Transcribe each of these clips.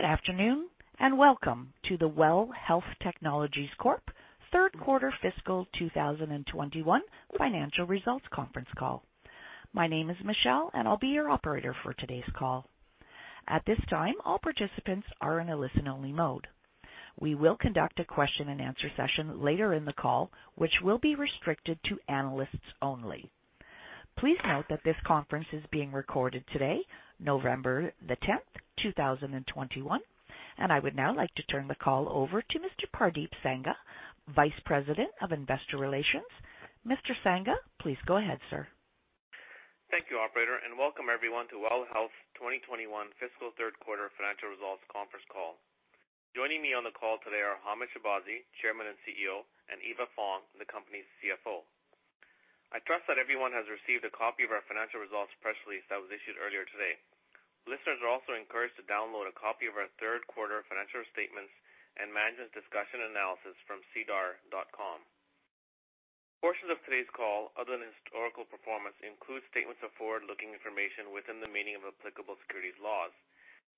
Good afternoon, and welcome to the WELL Health Technologies Corp third quarter fiscal 2021 financial results conference call. My name is Michelle, and I'll be your operator for today's call. At this time, all participants are in a listen-only mode. We will conduct a question-and-answer session later in the call, which will be restricted to analysts only. Please note that this conference is being recorded today, November 10th, 2021. I would now like to turn the call over to Mr. Pardeep Sangha, Vice President of Investor Relations. Mr. Sangha, please go ahead, sir. Thank you, operator, and welcome everyone to WELL Health 2021 fiscal third quarter financial results conference call. Joining me on the call today are Hamed Shahbazi, Chairman and CEO, and Eva Fong, the company's CFO. I trust that everyone has received a copy of our financial results press release that was issued earlier today. Listeners are also encouraged to download a copy of our third quarter financial statements and management discussion analysis from sedar.com. Portions of today's call, other than historical performance, include statements of forward-looking information within the meaning of applicable securities laws.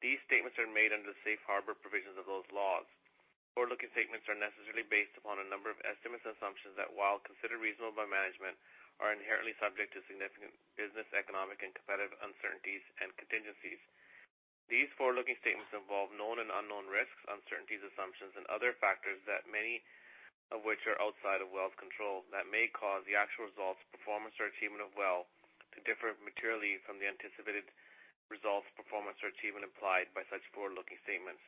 These statements are made under the safe harbor provisions of those laws. Forward-looking statements are necessarily based upon a number of estimates and assumptions that, while considered reasonable by management, are inherently subject to significant business, economic, and competitive uncertainties and contingencies. These forward-looking statements involve known and unknown risks, uncertainties, assumptions and other factors, many of which are outside of WELL's control, that may cause the actual results, performance or achievement of WELL to differ materially from the anticipated results, performance or achievement implied by such forward-looking statements.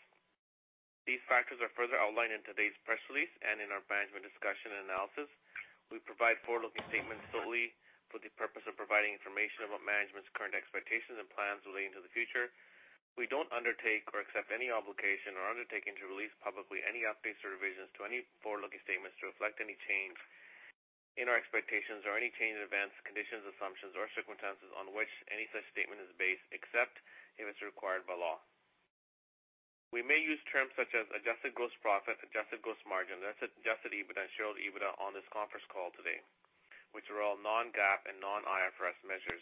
These factors are further outlined in today's press release and in our management discussion and analysis. We provide forward-looking statements solely for the purpose of providing information about management's current expectations and plans relating to the future. We don't undertake or accept any obligation or undertaking to release publicly any updates or revisions to any forward-looking statements to reflect any change in our expectations or any change in events, conditions, assumptions, or circumstances on which any such statement is based, except if it's required by law. We may use terms such as adjusted gross profit, adjusted gross margin, adjusted EBITDA, and shareholder EBITDA on this conference call today, which are all non-GAAP and non-IFRS measures.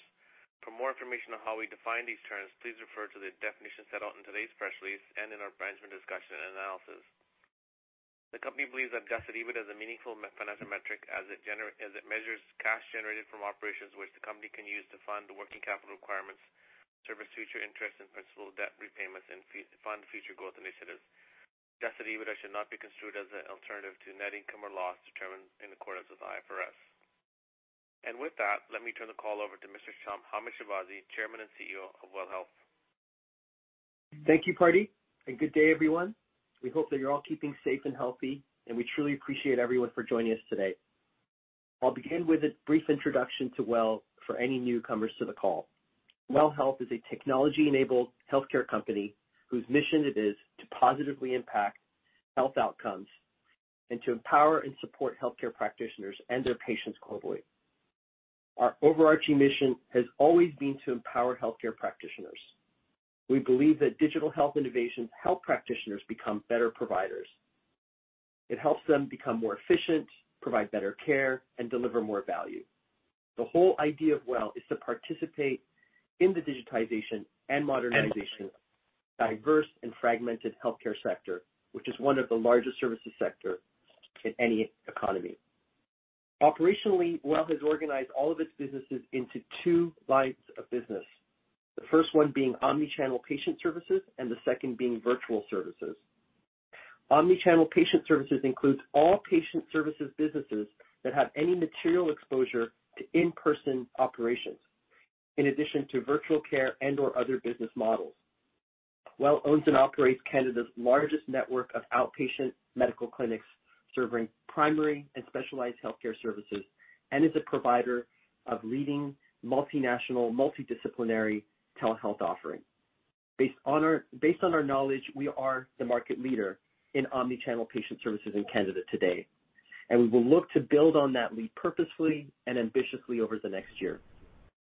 For more information on how we define these terms, please refer to the definition set out in today's press release and in our management discussion and analysis. The company believes adjusted EBITDA is a meaningful financial metric as it measures cash generated from operations which the company can use to fund the working capital requirements, service future interest and principal debt repayments, and fund future growth initiatives. Adjusted EBITDA should not be construed as an alternative to net income or loss determined in accordance with IFRS. With that, let me turn the call over to Mr. Hamed Shahbazi, Chairman and CEO of WELL Health. Thank you, Pardeep, and good day, everyone. We hope that you're all keeping safe and healthy, and we truly appreciate everyone for joining us today. I'll begin with a brief introduction to WELL for any newcomers to the call. WELL Health is a technology-enabled healthcare company whose mission it is to positively impact health outcomes and to empower and support healthcare practitioners and their patients globally. Our overarching mission has always been to empower healthcare practitioners. We believe that digital health innovations help practitioners become better providers. It helps them become more efficient, provide better care, and deliver more value. The whole idea of WELL is to participate in the digitization and modernization of diverse and fragmented healthcare sector, which is one of the largest services sector in any economy. Operationally, WELL has organized all of its businesses into two lines of business. The first one being Omni-channel Patient Services and the second being Virtual Services. Omni-channel Patient Services includes all patient services businesses that have any material exposure to in-person operations in addition to virtual care and/or other business models. WELL owns and operates Canada's largest network of outpatient medical clinics serving primary and specialized healthcare services and is a provider of leading multinational, multidisciplinary telehealth offering. Based on our knowledge, we are the market leader in omni-channel patient services in Canada today, and we will look to build on that lead purposefully and ambitiously over the next year.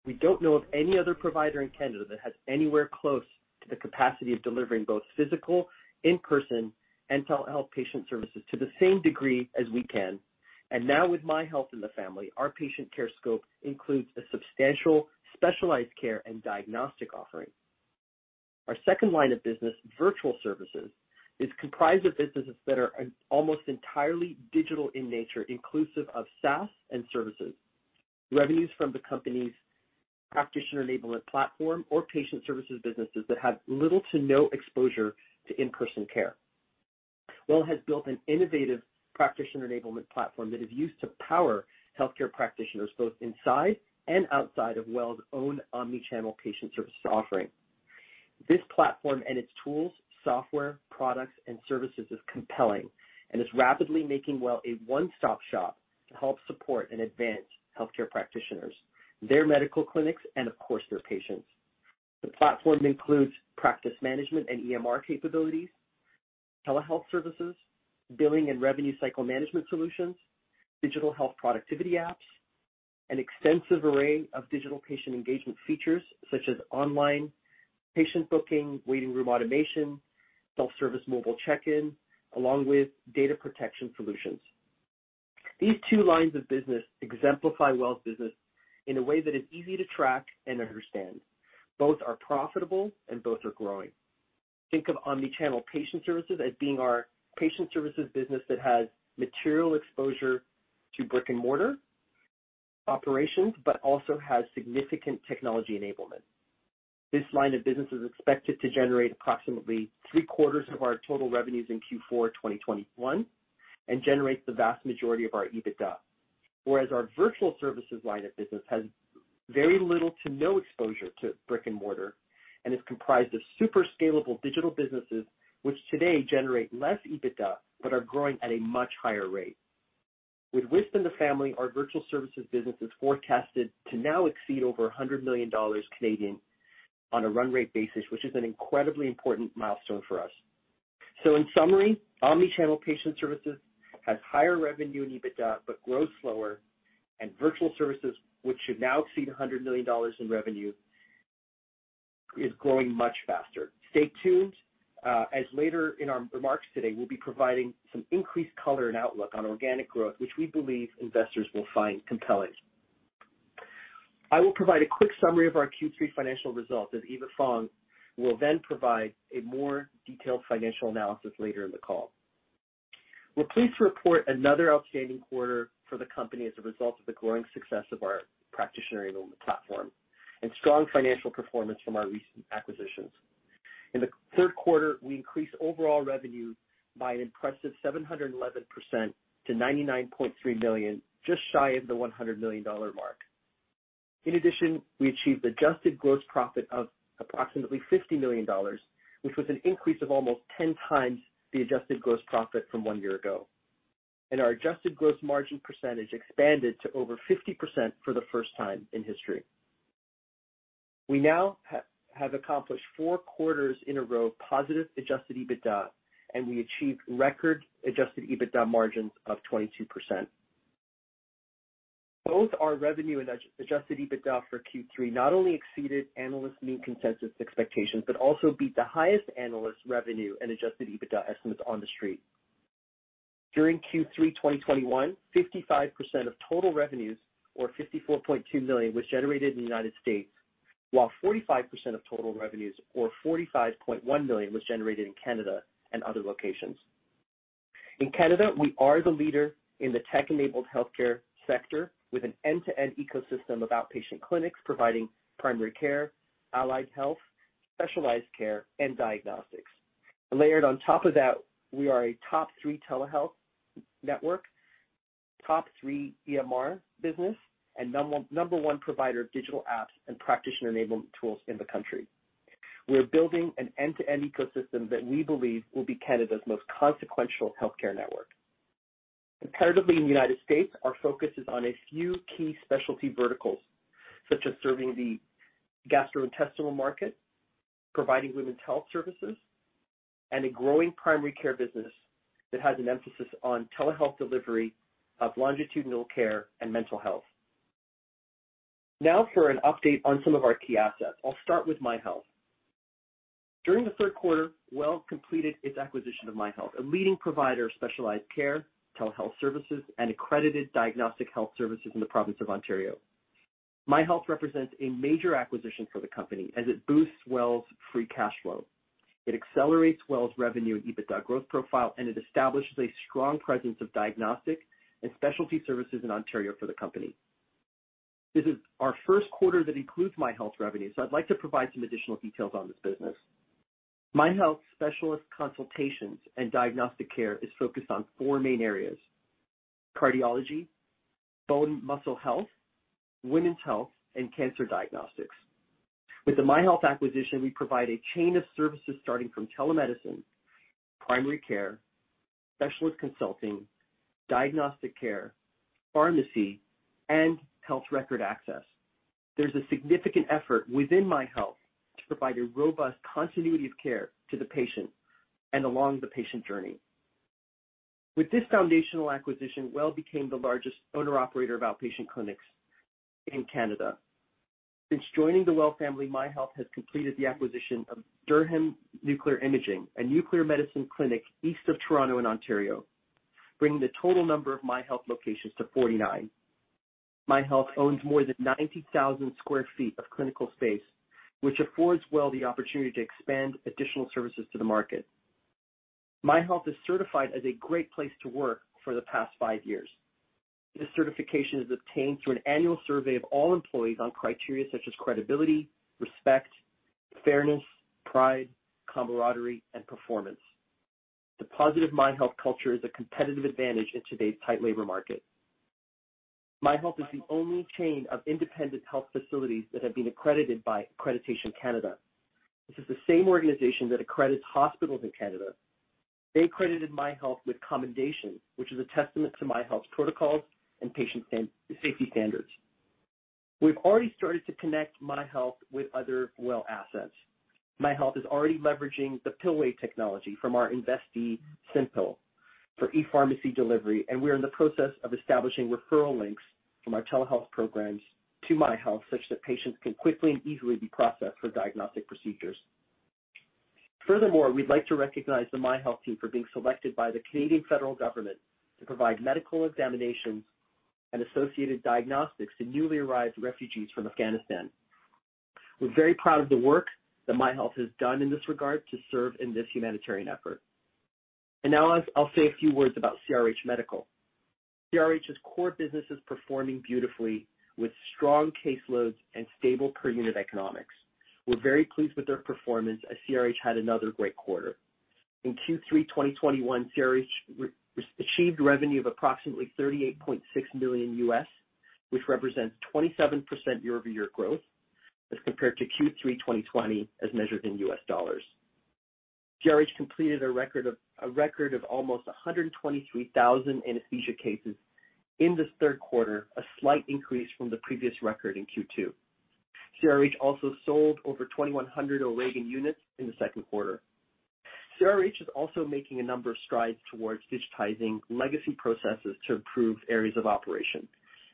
We don't know of any other provider in Canada that has anywhere close to the capacity of delivering both physical, in-person, and telehealth patient services to the same degree as we can. Now with MyHealth in the family, our patient care scope includes a substantial specialized care and diagnostic offering. Our second line of business, Virtual Services, is comprised of businesses that are almost entirely digital in nature, inclusive of SaaS and services. Revenues from the company's practitioner enablement platform and patient services businesses that have little to no exposure to in-person care. WELL has built an innovative practitioner enablement platform that is used to power healthcare practitioners both inside and outside of WELL's own omni-channel patient services offering. This platform and its tools, software, products and services is compelling and is rapidly making WELL a one-stop shop to help support and advance healthcare practitioners, their medical clinics, and of course, their patients. The platform includes practice management and EMR capabilities, telehealth services, billing and revenue cycle management solutions, digital health productivity apps, an extensive array of digital patient engagement features such as online patient booking, waiting room automation, self-service mobile check-in, along with data protection solutions. These two lines of business exemplify WELL's business in a way that is easy to track and understand. Both are profitable and both are growing. Think of Omni-channel Patient Services as being our patient services business that has material exposure to brick-and-mortar operations, but also has significant technology enablement. This line of business is expected to generate approximately 3/4 of our total revenues in Q4 2021 and generates the vast majority of our EBITDA. Whereas our Virtual Services line of business has very little to no exposure to brick-and-mortar and is comprised of super scalable digital businesses which today generate less EBITDA but are growing at a much higher rate. With WISP in the family, our Virtual Services business is forecasted to now exceed over 100 million Canadian dollars on a run rate basis, which is an incredibly important milestone for us. In summary, Omni-channel Patient Services has higher revenue and EBITDA but grows slower. Virtual Services, which should now exceed 100 million dollars in revenue, is growing much faster. Stay tuned, as later in our remarks today, we'll be providing some increased color and outlook on organic growth, which we believe investors will find compelling. I will provide a quick summary of our Q3 financial results, as Eva Fong will then provide a more detailed financial analysis later in the call. We're pleased to report another outstanding quarter for the company as a result of the growing success of our practitioner enablement platform and strong financial performance from our recent acquisitions. In the third quarter, we increased overall revenue by an impressive 711% to 99.3 million, just shy of the 100 million dollar mark. In addition, we achieved adjusted gross profit of approximately 50 million dollars, which was an increase of almost 10x the adjusted gross profit from one year ago. Our adjusted gross margin percentage expanded to over 50% for the first time in history. We now have accomplished four quarters in a row of positive adjusted EBITDA, and we achieved record adjusted EBITDA margins of 22%. Both our revenue and adjusted EBITDA for Q3 not only exceeded analyst mean consensus expectations but also beat the highest analyst revenue and adjusted EBITDA estimates on The Street. During Q3 2021, 55% of total revenues or 54.2 million was generated in the United States, while 45% of total revenues or 45.1 million was generated in Canada and other locations. In Canada, we are the leader in the tech-enabled healthcare sector with an end-to-end ecosystem of outpatient clinics providing primary care, allied health, specialized care, and diagnostics. Layered on top of that, we are a top three telehealth network, top three EMR business, and number one provider of digital apps and practitioner enablement tools in the country. We are building an end-to-end ecosystem that we believe will be Canada's most consequential healthcare network. Comparatively, in the United States, our focus is on a few key specialty verticals, such as serving the gastrointestinal market, providing women's health services, and a growing primary care business that has an emphasis on telehealth delivery of longitudinal care and mental health. Now for an update on some of our key assets. I'll start with MyHealth. During the third quarter, WELL completed its acquisition of MyHealth, a leading provider of specialized care, telehealth services, and accredited diagnostic health services in the province of Ontario. MyHealth represents a major acquisition for the company as it boosts WELL's free cash flow. It accelerates WELL's revenue and EBITDA growth profile, and it establishes a strong presence of diagnostic and specialty services in Ontario for the company. This is our first quarter that includes MyHealth revenue, so I'd like to provide some additional details on this business. MyHealth specialist consultations and diagnostic care is focused on four main areas, cardiology, bone muscle health, women's health, and cancer diagnostics. With the MyHealth acquisition, we provide a chain of services starting from telemedicine, primary care, specialist consulting, diagnostic care, pharmacy, and health record access. There's a significant effort within MyHealth to provide a robust continuity of care to the patient and along the patient journey. With this foundational acquisition, WELL became the largest owner-operator of outpatient clinics in Canada. Since joining the WELL family, MyHealth has completed the acquisition of Durham Nuclear Imaging, a nuclear medicine clinic east of Toronto in Ontario, bringing the total number of MyHealth locations to 49. MyHealth owns more than 90,000 sq ft of clinical space, which affords WELL the opportunity to expand additional services to the market. MyHealth is certified as a great place to work for the past five years. This certification is obtained through an annual survey of all employees on criteria such as credibility, respect, fairness, pride, camaraderie, and performance. The positive MyHealth culture is a competitive advantage in today's tight labor market. MyHealth is the only chain of independent health facilities that have been accredited by Accreditation Canada. This is the same organization that accredits hospitals in Canada. They accredited MyHealth with commendation, which is a testament to MyHealth's protocols and patient safety standards. We've already started to connect MyHealth with other WELL assets. MyHealth is already leveraging the Pillway technology from our investee, Simpill, for ePharmacy delivery, and we are in the process of establishing referral links from our telehealth programs to MyHealth such that patients can quickly and easily be processed for diagnostic procedures. Furthermore, we'd like to recognize the MyHealth team for being selected by the Canadian federal government to provide medical examinations and associated diagnostics to newly arrived refugees from Afghanistan. We're very proud of the work that MyHealth has done in this regard to serve in this humanitarian effort. Now, I'll say a few words about CRH Medical. CRH's core business is performing beautifully, with strong caseloads and stable per unit economics. We're very pleased with their performance as CRH had another great quarter. In Q3 of 2021, CRH achieved revenue of approximately $38.6 million, which represents 27% year-over-year growth as compared to Q3 2020 as measured in U.S. dollars. CRH completed a record of almost 123,000 anesthesia cases in this third quarter, a slight increase from the previous record in Q2. CRH also sold over 2,100 O'Regan units in the second quarter. CRH is also making a number of strides towards digitizing legacy processes to improve areas of operation.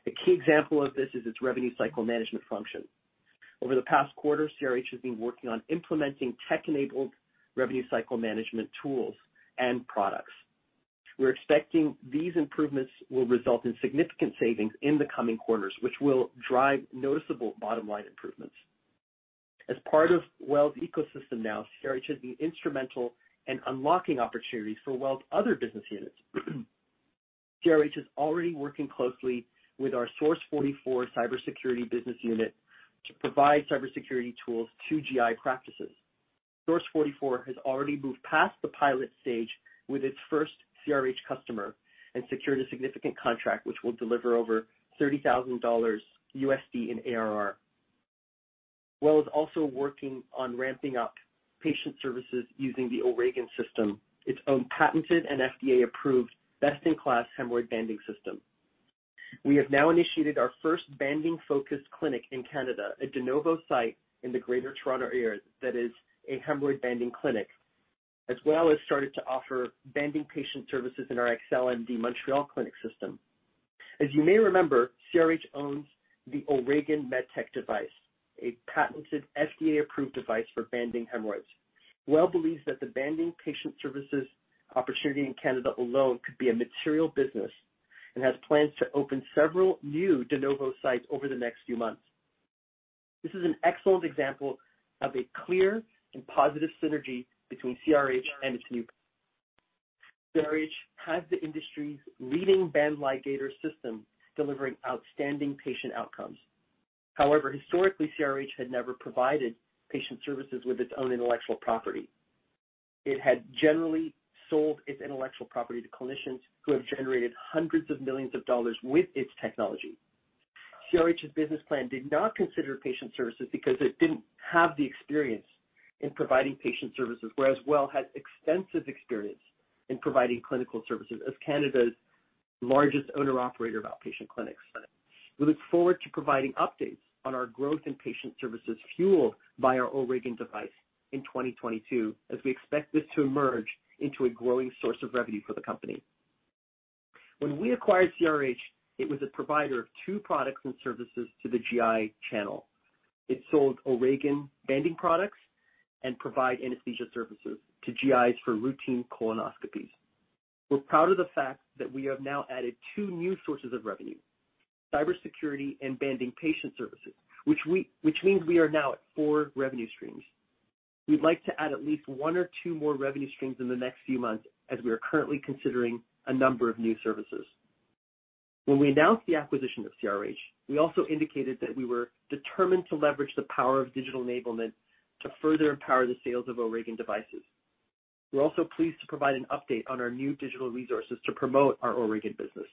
A key example of this is its revenue cycle management function. Over the past quarter, CRH has been working on implementing tech-enabled revenue cycle management tools and products. We're expecting these improvements will result in significant savings in the coming quarters, which will drive noticeable bottom-line improvements. As part of WELL's ecosystem now, CRH has been instrumental in unlocking opportunities for WELL's other business units. CRH is already working closely with our Source 44 cybersecurity business unit to provide cybersecurity tools to GI practices. Source 44 has already moved past the pilot stage with its first CRH customer and secured a significant contract which will deliver over $30,000 USD in ARR. WELL is also working on ramping up patient services using the O'Regan System, its own patented and FDA-approved best-in-class hemorrhoid banding system. We have now initiated our first banding-focused clinic in Canada, a de novo site in the Greater Toronto Area that is a hemorrhoid banding clinic, as well as started to offer banding patient services in our ExcelleMD Montreal clinic system. As you may remember, CRH owns the O'Regan MedTech device, a patented FDA-approved device for banding hemorrhoids. WELL believes that the banding patient services opportunity in Canada alone could be a material business and has plans to open several new de novo sites over the next few months. This is an excellent example of a clear and positive synergy between CRH and WELL. CRH has the industry's leading band ligation system delivering outstanding patient outcomes. However, historically, CRH had never provided patient services with its own intellectual property. It had generally sold its intellectual property to clinicians who have generated hundreds of millions of dollars with its technology. CRH's business plan did not consider patient services because it didn't have the experience in providing patient services, whereas WELL has extensive experience in providing clinical services as Canada's largest owner/operator of outpatient clinics. We look forward to providing updates on our growth in patient services fueled by our O'Regan device in 2022 as we expect this to emerge into a growing source of revenue for the company. When we acquired CRH, it was a provider of two products and services to the GI channel. It sold O'Regan banding products and provided anesthesia services to GIs for routine colonoscopies. We're proud of the fact that we have now added two new sources of revenue, cybersecurity and banding patient services, which means we are now at four revenue streams. We'd like to add at least one or two more revenue streams in the next few months as we are currently considering a number of new services. When we announced the acquisition of CRH, we also indicated that we were determined to leverage the power of digital enablement to further empower the sales of O'Regan devices. We're also pleased to provide an update on our new digital resources to promote our O'Regan business.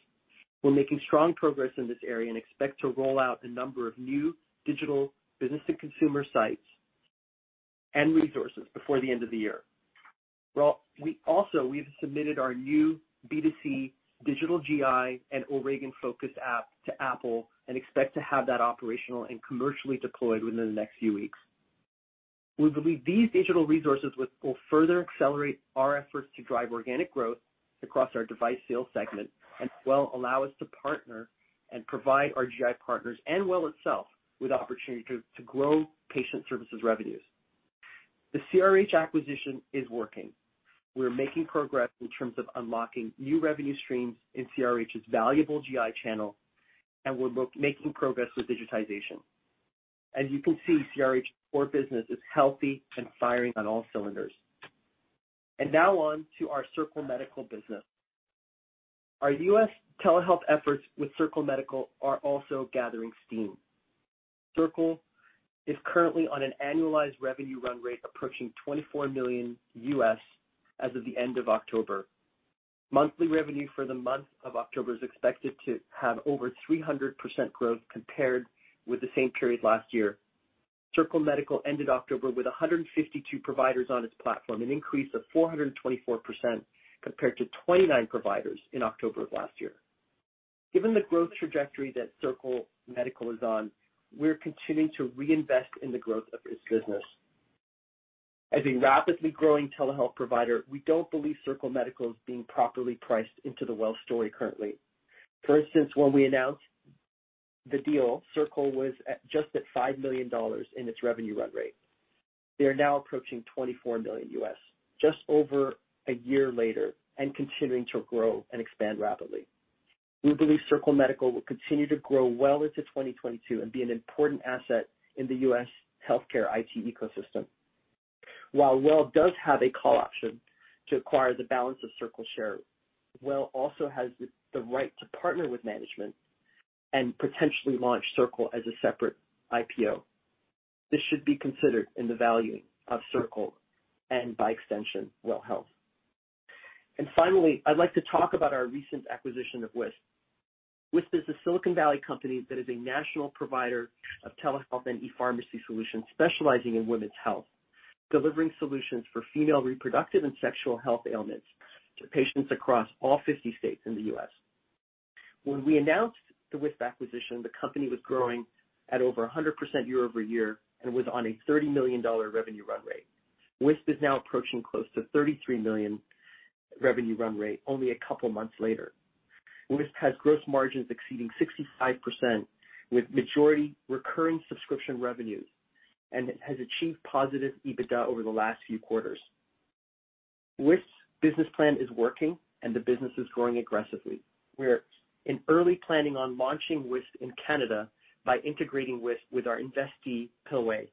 We're making strong progress in this area and expect to roll out a number of new digital business and consumer sites and resources before the end of the year. Well, we also, we've submitted our new B2C digital GI and O'Regan focus app to Apple and expect to have that operational and commercially deployed within the next few weeks. We believe these digital resources will further accelerate our efforts to drive organic growth across our device sales segment and as well allow us to partner and provide our GI partners and WELL itself with opportunity to grow patient services revenues. The CRH acquisition is working. We're making progress in terms of unlocking new revenue streams in CRH's valuable GI channel, and we're making progress with digitization. As you can see, CRH core business is healthy and firing on all cylinders. Now on to our Circle Medical business. Our U.S. telehealth efforts with Circle Medical are also gathering steam. Circle is currently on an annualized revenue run rate approaching $24 million as of the end of October. Monthly revenue for the month of October is expected to have over 300% growth compared with the same period last year. Circle Medical ended October with 152 providers on its platform, an increase of 424% compared to 29 providers in October of last year. Given the growth trajectory that Circle Medical is on, we're continuing to reinvest in the growth of this business. As a rapidly growing telehealth provider, we don't believe Circle Medical is being properly priced into the WELL story currently. For instance, when we announced the deal Circle was at just $5 million in its revenue run rate. They are now approaching $24 million just over a year later and continuing to grow and expand rapidly. We believe Circle Medical will continue to grow well into 2022 and be an important asset in the U.S. healthcare IT ecosystem. While WELL does have a call option to acquire the balance of Circle share, WELL also has the right to partner with management and potentially launch Circle as a separate IPO. This should be considered in the value of Circle and by extension, WELL Health. Finally, I'd like to talk about our recent acquisition of WISP. WISP is a Silicon Valley company that is a national provider of telehealth and ePharmacy solutions specializing in women's health, delivering solutions for female reproductive and sexual health ailments to patients across all 50 states in the U.S. When we announced the WISP acquisition, the company was growing at over 100% year-over-year and was on a $30 million revenue run rate. WISP is now approaching close to $33 million revenue run rate only a couple months later. WISP has gross margins exceeding 65% with majority recurring subscription revenues, and it has achieved positive EBITDA over the last few quarters. WISP's business plan is working and the business is growing aggressively. We're in early planning on launching WISP in Canada by integrating WISP with our investee, Pillway,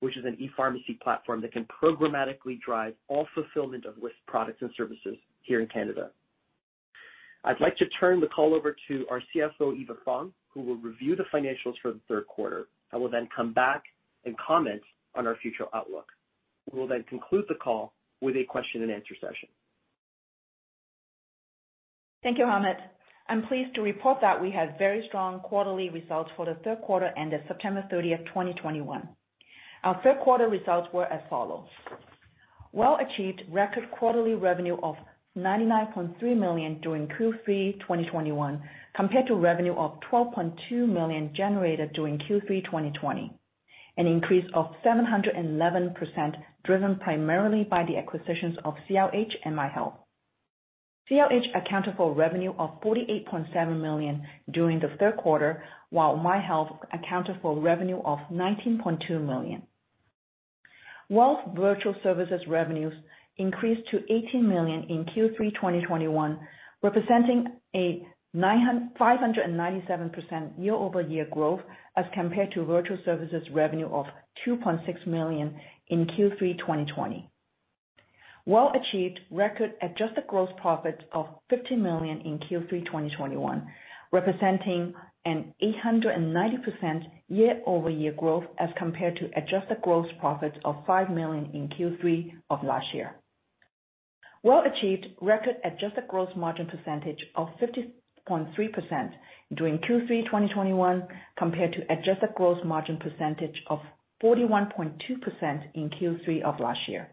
which is an ePharmacy platform that can programmatically drive all fulfillment of WISP products and services here in Canada. I'd like to turn the call over to our CFO, Eva Fong, who will review the financials for the third quarter. I will then come back and comment on our future outlook. We will then conclude the call with a question-and-answer session. Thank you, Hamed. I'm pleased to report that we had very strong quarterly results for the third quarter ended September 30, 2021. Our third quarter results were as follows. WELL achieved record quarterly revenue of CAD 99.3 million during Q3 2021 compared to revenue of CAD 12.2 million generated during Q3 2020, an increase of 711% driven primarily by the acquisitions of CRH and MyHealth. CRH accounted for revenue of CAD 48.7 million during the third quarter, while MyHealth accounted for revenue of CAD 19.2 million. WELL's Virtual Services revenues increased to CAD 18 million in Q3 2021, representing a 597% year-over-year growth as compared to Virtual Services revenue of 2.6 million in Q3 2020. WELL achieved record adjusted gross profit of 50 million in Q3 2021, representing an 890% year-over-year growth as compared to adjusted gross profit of 5 million in Q3 of last year. WELL achieved record adjusted gross margin percentage of 50.3% during Q3 2021 compared to adjusted gross margin percentage of 41.2% in Q3 of last year.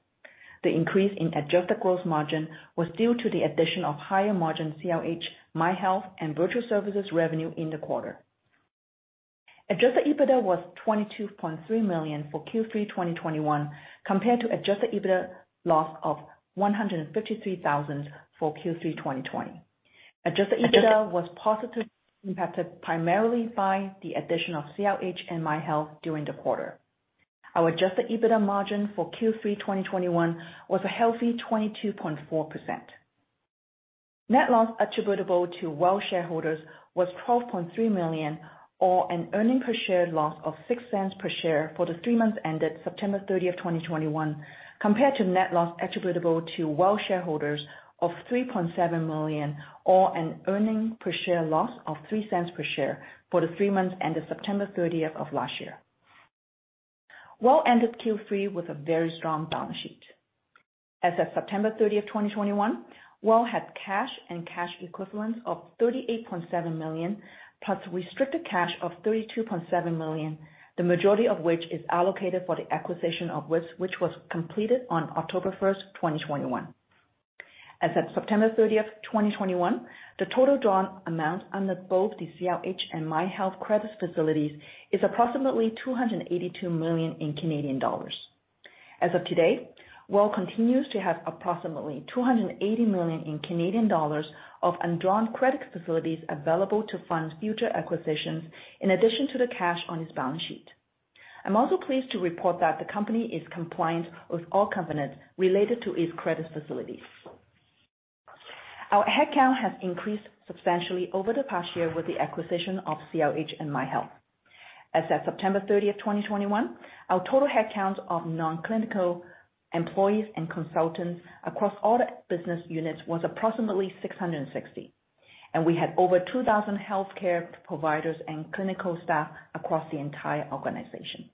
The increase in adjusted gross margin was due to the addition of higher margin CRH, MyHealth and Virtual Services revenue in the quarter. Adjusted EBITDA was 22.3 million for Q3 2021 compared to adjusted EBITDA loss of 153,000 for Q3 2020. Adjusted EBITDA was positively impacted primarily by the addition of CRH and MyHealth during the quarter. Our adjusted EBITDA margin for Q3 2021 was a healthy 22.4%. Net loss attributable to WELL shareholders was 12.3 million or an earnings per share loss of 0.06 per share for the three months ended September 30th, 2021, compared to net loss attributable to WELL shareholders of 3.7 million or an earnings per share loss of 0.03 per share for the three months ended September 30th, 2020. WELL ended Q3 with a very strong balance sheet. As of September 30th, 2021, WELL had cash and cash equivalents of 38.7 million, plus restricted cash of 32.7 million, the majority of which is allocated for the acquisition of WISP, which was completed on October 1st, 2021. As of September 30th, 2021, the total drawn amount under both the CRH and MyHealth credit facilities is approximately 282 million. As of today, WELL continues to have approximately 280 million of undrawn credit facilities available to fund future acquisitions in addition to the cash on its balance sheet. I'm also pleased to report that the company is compliant with all covenants related to its credit facilities. Our headcount has increased substantially over the past year with the acquisition of CRH and MyHealth. As of September 30th, 2021, our total headcounts of non-clinical employees and consultants across all the business units was approximately 660, and we had over 2,000 healthcare providers and clinical staff across the entire organization.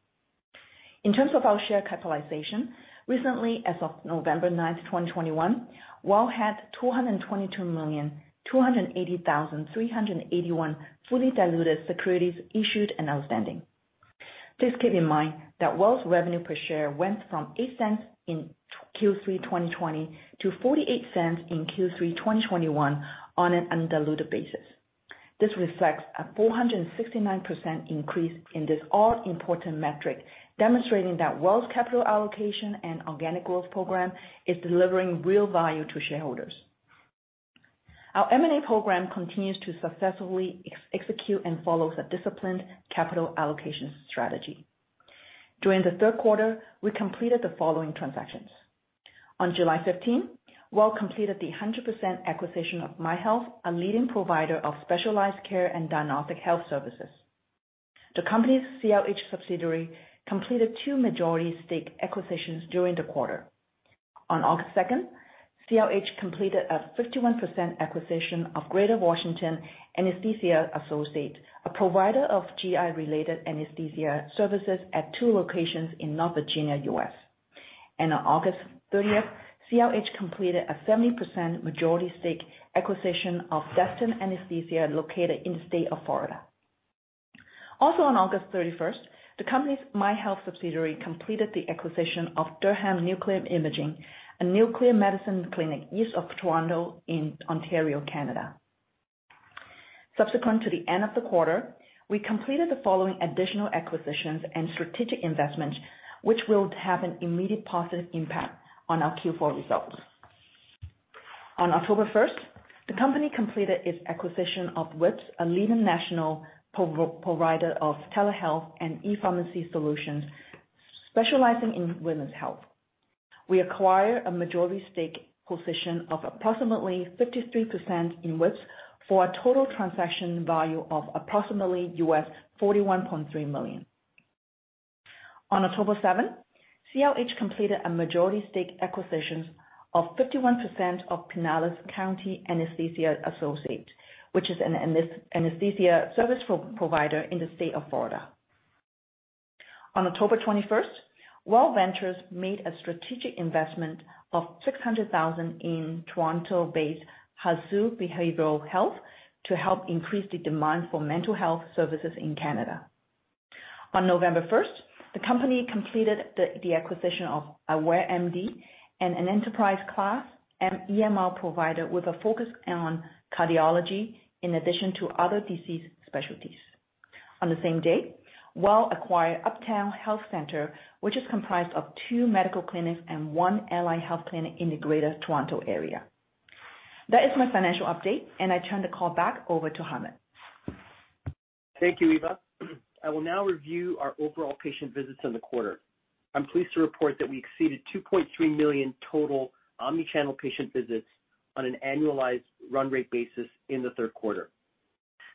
In terms of our share capitalization, recently, as of November 9th, 2021, WELL had 222,280,381 fully diluted securities issued and outstanding. Please keep in mind that WELL's revenue per share went from 0.08 in Q3 2020 to 0.48 in Q3 2021 on an undiluted basis. This reflects a 469% increase in this all-important metric, demonstrating that WELL's capital allocation and organic growth program is delivering real value to shareholders. Our M&A program continues to successfully execute and follow the disciplined capital allocation strategy. During the third quarter, we completed the following transactions. On July 15th, 2021 WELL completed the 100% acquisition of MyHealth, a leading provider of specialized care and diagnostic health services. The company's CRH subsidiary completed two majority stake acquisitions during the quarter. On August 2nd, 2021 CRH completed a 51% acquisition of Greater Washington Anesthesia Associates, a provider of GI-related anesthesia services at two locations in Northern Virginia, U.S. On August 30th, 2021 CRH completed a 70% majority stake acquisition of Destin Anesthesia, located in the state of Florida. Also on August 31st, 2021 the company's MyHealth subsidiary completed the acquisition of Durham Nuclear Imaging, a nuclear medicine clinic east of Toronto in Ontario, Canada. Subsequent to the end of the quarter, we completed the following additional acquisitions and strategic investments, which will have an immediate positive impact on our Q4 results. On October 1st, 2021 the company completed its acquisition of WISP, a leading national provider of telehealth and ePharmacy solutions specializing in women's health. We acquired a majority stake position of approximately 53% in WISP for a total transaction value of approximately $41.3 million. On October 7th, 2021 CRH completed a majority stake acquisition of 51% of Pinellas County Anesthesia Associates, which is an anesthesia service provider in the state of Florida. On October 21st, 2021 WELL Ventures made a strategic investment of 600,000 in Toronto-based Hasu Behavioral Health to help increase the demand for mental health services in Canada. On November 1st, 2021 the company completed the acquisition of Aware MD, an enterprise class EMR provider with a focus on cardiology in addition to other disease specialties. On the same day, WELL acquired Uptown Health Centre, which is comprised of two medical clinics and one allied health clinic in the Greater Toronto Area. That is my financial update, and I turn the call back over to Hamed. Thank you, Eva. I will now review our overall patient visits in the quarter. I'm pleased to report that we exceeded 2.3 million total omnichannel patient visits on an annualized run rate basis in the third quarter.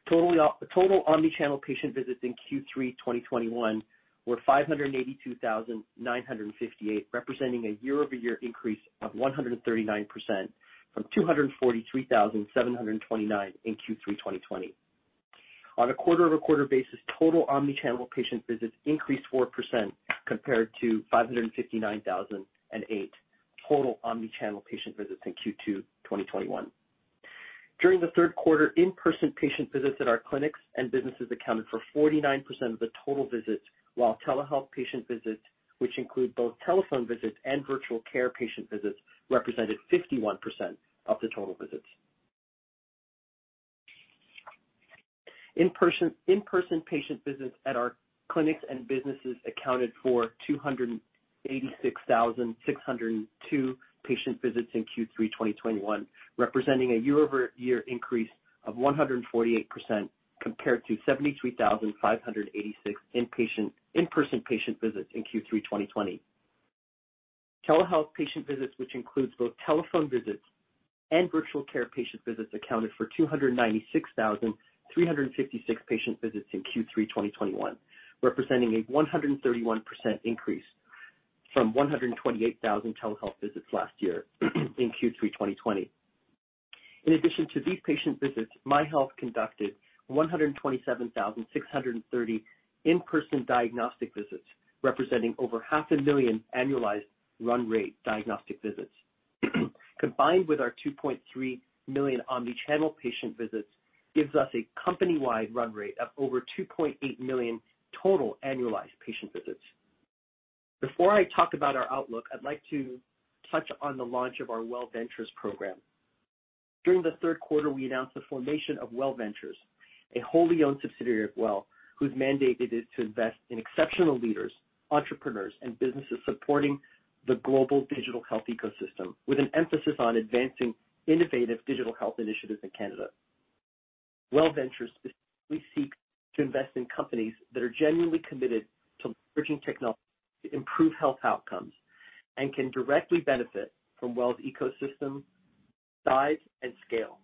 Total omnichannel patient visits in Q3 2021 were 582,958, representing a year-over-year increase of 139% from 243,729 in Q3 2020. On a quarter-over-quarter basis, total omnichannel patient visits increased 4% compared to 559,008 total omnichannel patient visits in Q2 2021. During the third quarter, in-person patient visits at our clinics and businesses accounted for 49% of the total visits, while telehealth patient visits, which include both telephone visits and virtual care patient visits, represented 51% of the total visits. In-person patient visits at our clinics and businesses accounted for 286,602 patient visits in Q3 2021, representing a year-over-year increase of 148% compared to 73,586 in-person patient visits in Q3 2020. Telehealth patient visits, which includes both telephone visits and virtual care patient visits, accounted for 296,356 patient visits in Q3 2021, representing a 131% increase from 128,000 telehealth visits last year in Q3 2020. In addition to these patient visits, MyHealth conducted 127,630 in-person diagnostic visits, representing over 500,000 annualized run rate diagnostic visits. Combined with our 2.3 million omnichannel patient visits gives us a company-wide run rate of over 2.8 million total annualized patient visits. Before I talk about our outlook, I'd like to touch on the launch of our WELL Ventures program. During the third quarter, we announced the formation of WELL Ventures, a wholly owned subsidiary of WELL, whose mandate it is to invest in exceptional leaders, entrepreneurs, and businesses supporting the global digital health ecosystem, with an emphasis on advancing innovative digital health initiatives in Canada. WELL Ventures specifically seeks to invest in companies that are genuinely committed to bridging technology to improve health outcomes and can directly benefit from WELL's ecosystem, size, and scale.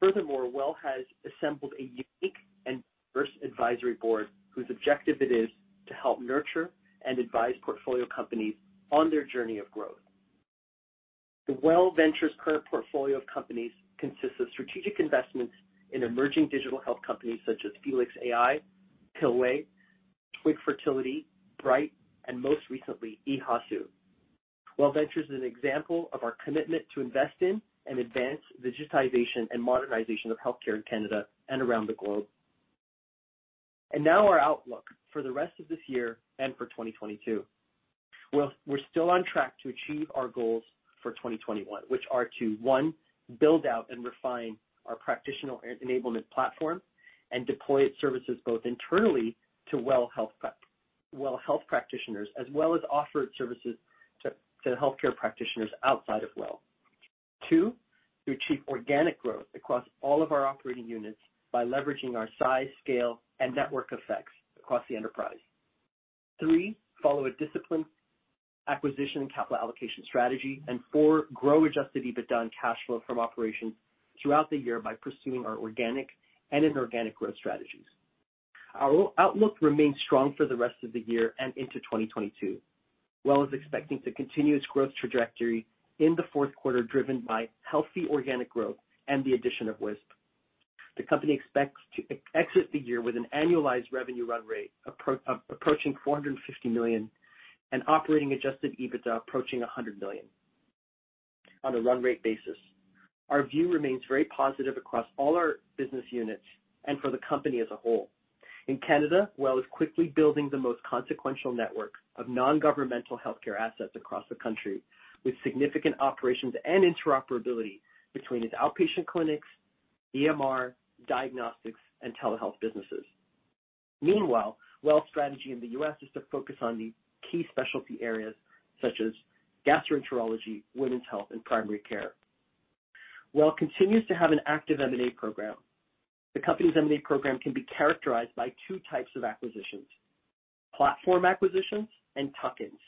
Furthermore, WELL has assembled a unique and diverse advisory board whose objective it is to help nurture and advise portfolio companies on their journey of growth. The WELL Ventures current portfolio of companies consists of strategic investments in emerging digital health companies such as Phelix.ai, Pillway, Twig Fertility, Bright, and most recently, Hasu. WELL Ventures is an example of our commitment to invest in and advance digitization and modernization of healthcare in Canada and around the globe. Now our outlook for the rest of this year and for 2022. Well, we're still on track to achieve our goals for 2021, which are to, one, build out and refine our practitioner enablement platform and deploy its services both internally to WELL Health practitioners as well as offered services to healthcare practitioners outside of WELL. Two, to achieve organic growth across all of our operating units by leveraging our size, scale and network effects across the enterprise. Three, follow a disciplined acquisition and capital allocation strategy. Four, grow adjusted EBITDA and cash flow from operations throughout the year by pursuing our organic and inorganic growth strategies. Our outlook remains strong for the rest of the year and into 2022. WELL is expecting to continue its growth trajectory in the fourth quarter, driven by healthy organic growth and the addition of WISP. The company expects to exit the year with an annualized revenue run rate approaching 450 million and operating adjusted EBITDA approaching 100 million on a run rate basis. Our view remains very positive across all our business units and for the company as a whole. In Canada, WELL is quickly building the most consequential network of non-governmental healthcare assets across the country, with significant operations and interoperability between its outpatient clinics, EMR, diagnostics and telehealth businesses. Meanwhile, WELL's strategy in the U.S. is to focus on the key specialty areas such as gastroenterology, women's health and primary care. WELL continues to have an active M&A program. The company's M&A program can be characterized by two types of acquisitions, platform acquisitions and tuck-ins.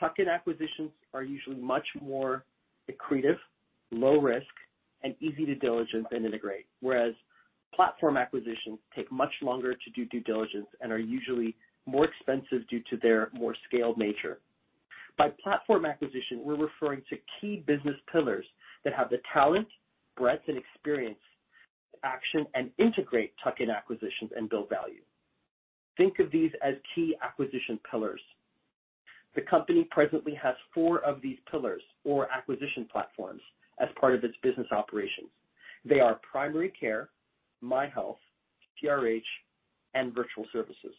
Tuck-in acquisitions are usually much more accretive, low risk and easy to diligence and integrate, whereas platform acquisitions take much longer to do due diligence and are usually more expensive due to their more scaled nature. By platform acquisition, we're referring to key business pillars that have the talent, breadth and experience to action and integrate tuck-in acquisitions and build value. Think of these as key acquisition pillars. The company presently has four of these pillars or acquisition platforms as part of its business operations. They are primary care, MyHealth, CRH and Virtual Services.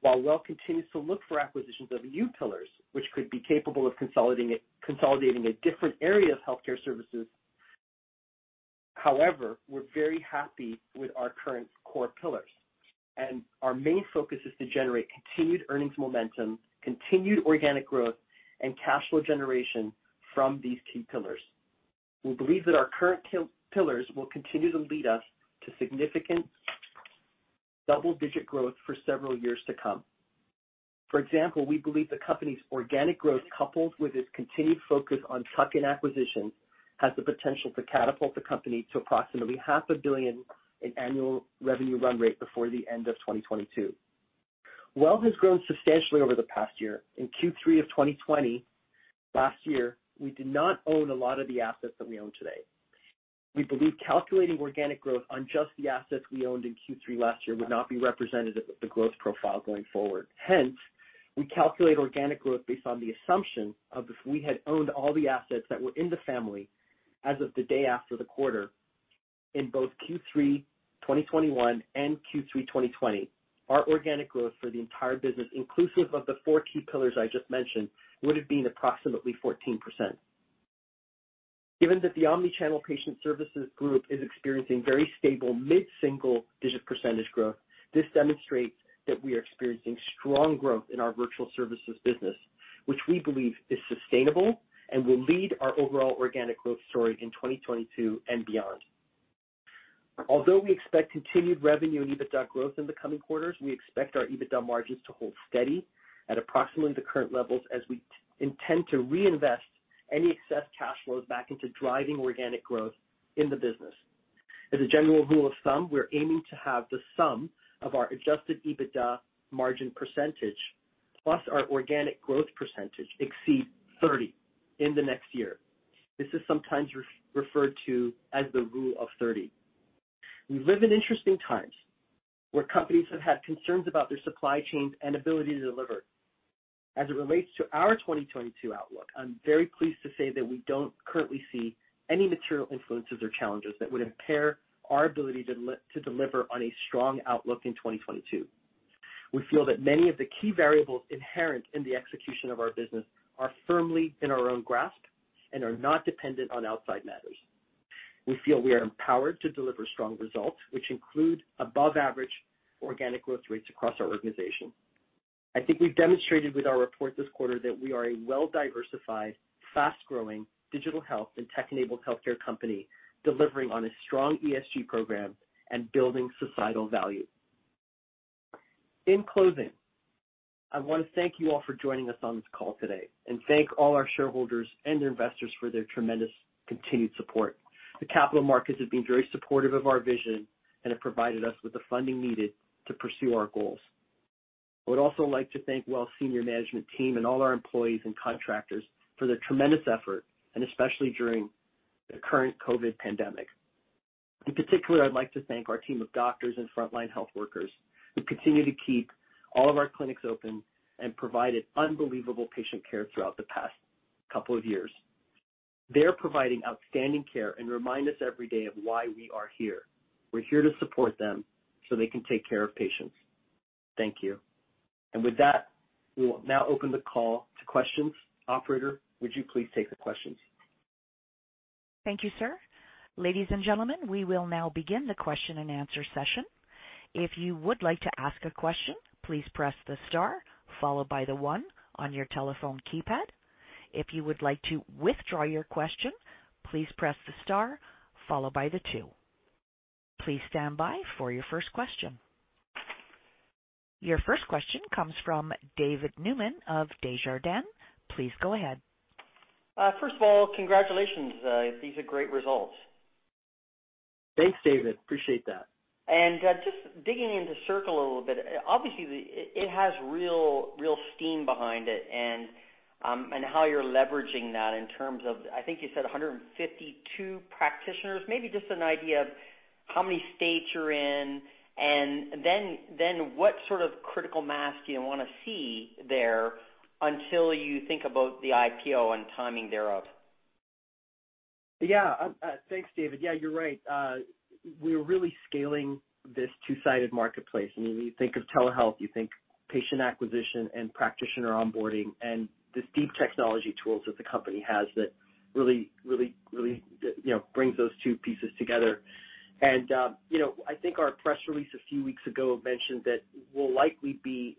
While WELL continues to look for acquisitions of new pillars which could be capable of consolidating a different area of healthcare services. However, we're very happy with our current core pillars, and our main focus is to generate continued earnings momentum, continued organic growth and cash flow generation from these key pillars. We believe that our current pillars will continue to lead us to significant double-digit growth for several years to come. For example, we believe the company's organic growth, coupled with its continued focus on tuck-in acquisitions, has the potential to catapult the company to approximately 500 million in annual revenue run rate before the end of 2022. WELL has grown substantially over the past year. In Q3 of 2020 last year, we did not own a lot of the assets that we own today. We believe calculating organic growth on just the assets we owned in Q3 last year would not be representative of the growth profile going forward. Hence, we calculate organic growth based on the assumption of if we had owned all the assets that were in the family as of the day after the quarter in both Q3 2021 and Q3 2020, our organic growth for the entire business, inclusive of the four key pillars I just mentioned, would have been approximately 14%. Given that the Omni-channel Patient Services group is experiencing very stable mid-single digit percentage growth, this demonstrates that we are experiencing strong growth in our Virtual Services business which we believe is sustainable and will lead our overall organic growth story in 2022 and beyond. Although we expect continued revenue and adjusted EBITDA growth in the coming quarters, we expect our adjusted EBITDA margins to hold steady at approximately the current levels as we intend to reinvest any excess cash flows back into driving organic growth in the business. As a general rule of thumb, we're aiming to have the sum of our adjusted EBITDA margin percentage plus our organic growth percentage exceed 30% in the next year. This is sometimes referred to as the Rule of 30. We live in interesting times where companies have had concerns about their supply chains and ability to deliver. As it relates to our 2022 outlook, I'm very pleased to say that we don't currently see any material influences or challenges that would impair our ability to deliver on a strong outlook in 2022. We feel that many of the key variables inherent in the execution of our business are firmly in our own grasp and are not dependent on outside matters. We feel we are empowered to deliver strong results which include above average organic growth rates across our organization. I think we've demonstrated with our report this quarter that we are a well diversified, fast growing digital health and tech-enabled healthcare company, delivering on a strong ESG program and building societal value. In closing, I want to thank you all for joining us on this call today and thank all our shareholders and investors for their tremendous continued support. The capital markets have been very supportive of our vision and have provided us with the funding needed to pursue our goals. I would also like to thank WELL's senior management team and all our employees and contractors for their tremendous effort, and especially during the current COVID pandemic. In particular, I'd like to thank our team of doctors and frontline health workers who continue to keep all of our clinics open and provided unbelievable patient care throughout the past couple of years. They're providing outstanding care and remind us every day of why we are here. We're here to support them so they can take care of patients. Thank you. With that, we will now open the call to questions. Operator, would you please take the questions? Thank you, sir. Ladies and gentlemen, we will now begin the question-and-answer session. If you would like to ask a question, please press the star followed by the one on your telephone keypad. If you would like to withdraw your question, please press the star followed by the two. Please stand by for your first question. Your first question comes from David Newman of Desjardins. Please go ahead. First of all, congratulations. These are great results. Thanks, David. I appreciate that. Just digging into Circle a little bit, obviously it has real steam behind it and how you're leveraging that in terms of, I think you said 152 practitioners. Maybe just an idea of how many states you're in and then what sort of critical mass do you wanna see there until you think about the IPO and timing thereof? Yeah. Thanks, David. Yeah, you're right. We're really scaling this two-sided marketplace. I mean, when you think of telehealth, you think patient acquisition and practitioner onboarding and these deep technology tools that the company has that really, you know, brings those two pieces together. You know, I think our press release a few weeks ago mentioned that we'll likely be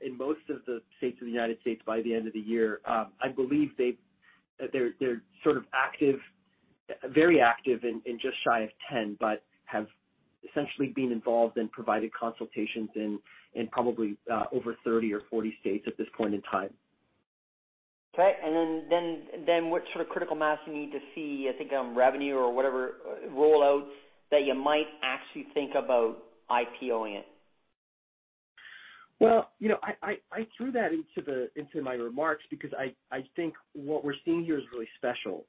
in most of the states of the United States by the end of the year. I believe they're sort of active, very active in just shy of 10, but have essentially been involved in providing consultations in probably over 30 or 40 states at this point in time. Okay. What sort of critical mass you need to see, I think, revenue or whatever roll-outs that you might actually think about IPO-ing it? Well, you know, I threw that into my remarks because I think what we're seeing here is really special.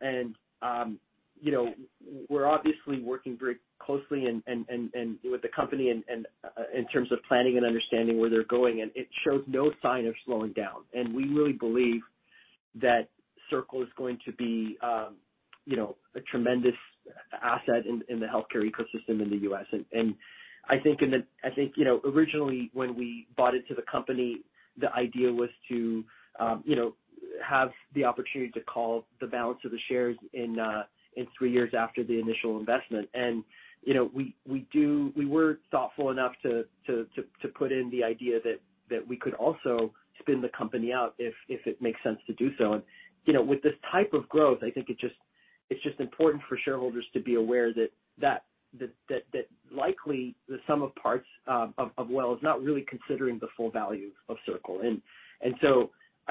You know, we're obviously working very closely and with the company and in terms of planning and understanding where they're going, and it shows no sign of slowing down. We really believe that Circle is going to be, you know, a tremendous asset in the healthcare ecosystem in the U.S. I think, you know, originally when we bought into the company, the idea was to, you know, have the opportunity to call the balance of the shares in three years after the initial investment. You know, we were thoughtful enough to put in the idea that we could also spin the company out if it makes sense to do so. You know, with this type of growth, I think it's just important for shareholders to be aware that likely the sum of parts of WELL is not really considering the full value of Circle.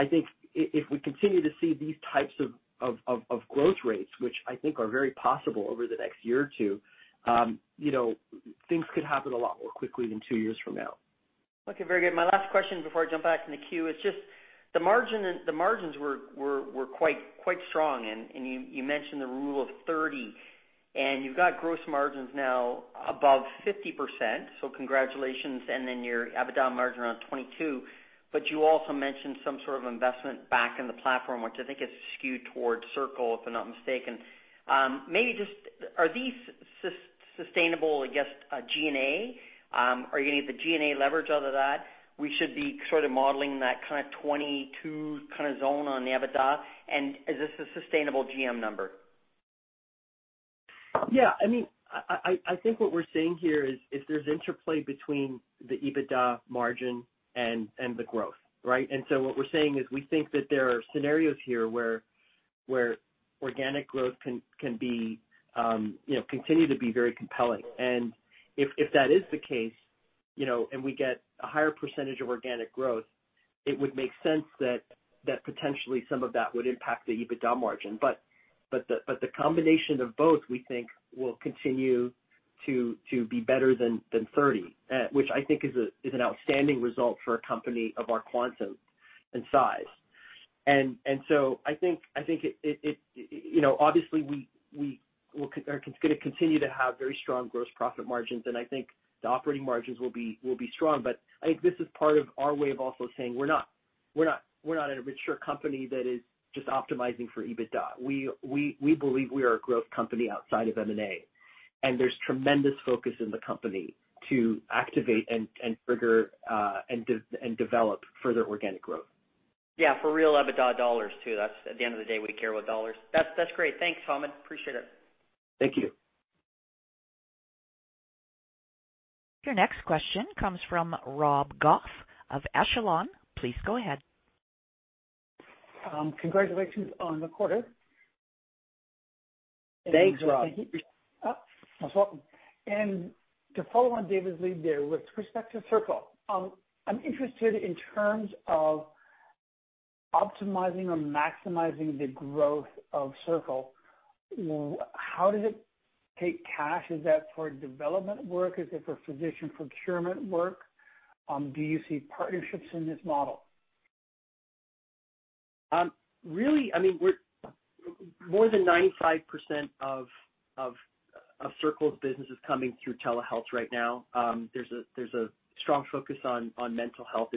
I think if we continue to see these types of growth rates, which I think are very possible over the next year or two, you know, things could happen a lot more quickly than two years from now. Okay, very good. My last question before I jump back in the queue is just the margins were quite strong, and you mentioned the Rule of 30. You've got gross margins now above 50%, so congratulations. Then your EBITDA margin around 22%. You also mentioned some sort of investment back in the platform, which I think is skewed towards Circle, if I'm not mistaken. Maybe just are these sustainable against G&A? Are you gonna get the G&A leverage out of that? We should be sort of modeling that kinda 22% zone on the EBITDA. Is this a sustainable GM number? I mean, I think what we're seeing here is there's interplay between the EBITDA margin and the growth, right? What we're saying is we think that there are scenarios here where organic growth can be, you know, continue to be very compelling. If that is the case, you know, and we get a higher percentage of organic growth, it would make sense that potentially some of that would impact the EBITDA margin. But the combination of both, we think, will continue to be better than 30%, which I think is an outstanding result for a company of our quantum and size. I think it You know, obviously we are gonna continue to have very strong gross profit margins, and I think the operating margins will be strong. I think this is part of our way of also saying we're not a mature company that is just optimizing for EBITDA. We believe we are a growth company outside of M&A, and there's tremendous focus in the company to activate and trigger and develop further organic growth. Yeah, for real EBITDA dollars too. That's at the end of the day, we care about dollars. That's great. Thanks, Tom. Appreciate it. Thank you. Your next question comes from Rob Goff of Echelon. Please go ahead. Congratulations on the quarter. Thanks, Rob. To follow on David's lead there with respect to Circle, I'm interested in terms of optimizing or maximizing the growth of Circle. How does it take cash? Is that for development work? Is it for physician procurement work? Do you see partnerships in this model? Really, I mean, we're more than 95% of Circle's business is coming through telehealth right now. There's a strong focus on mental health.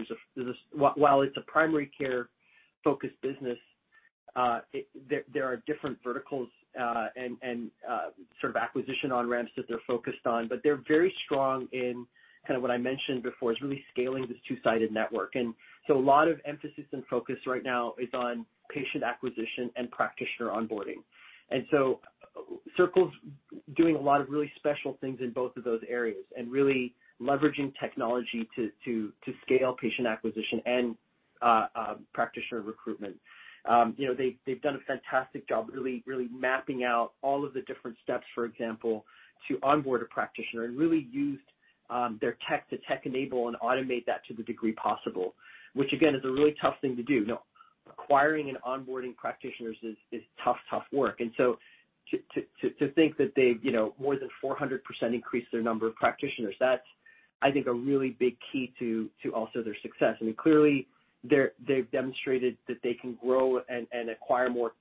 While it's a primary care-focused business, there are different verticals and sort of acquisition on-ramps that they're focused on. But they're very strong in kind of what I mentioned before, is really scaling this two-sided network. A lot of emphasis and focus right now is on patient acquisition and practitioner onboarding. Circle's doing a lot of really special things in both of those areas and really leveraging technology to scale patient acquisition and practitioner recruitment. You know, they've done a fantastic job really mapping out all of the different steps, for example, to onboard a practitioner and really used their tech to tech enable and automate that to the degree possible. Which again is a really tough thing to do. You know, acquiring and onboarding practitioners is tough work. To think that they've, you know, more than 400% increased their number of practitioners, that's I think a really big key to also their success. I mean, clearly they've demonstrated that they can grow and acquire more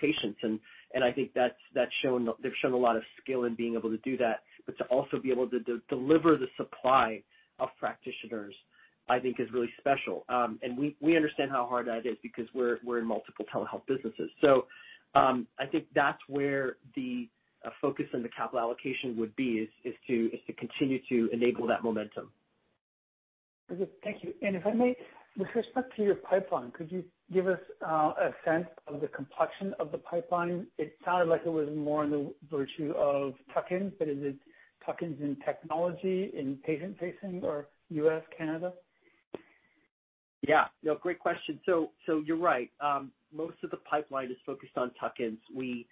patients. And I think that's shown. They've shown a lot of skill in being able to do that, but to also be able to deliver the supply of practitioners, I think is really special. We understand how hard that is because we're in multiple telehealth businesses. I think that's where the focus and the capital allocation would be is to continue to enable that momentum. Thank you. If I may, with respect to your pipeline, could you give us a sense of the complexion of the pipeline? It sounded like it was more in the nature of tuck-ins, but is it tuck-ins in technology, in patient-facing or U.S., Canada? Yeah. No, great question. So you're right. Most of the pipeline is focused on tuck-ins. We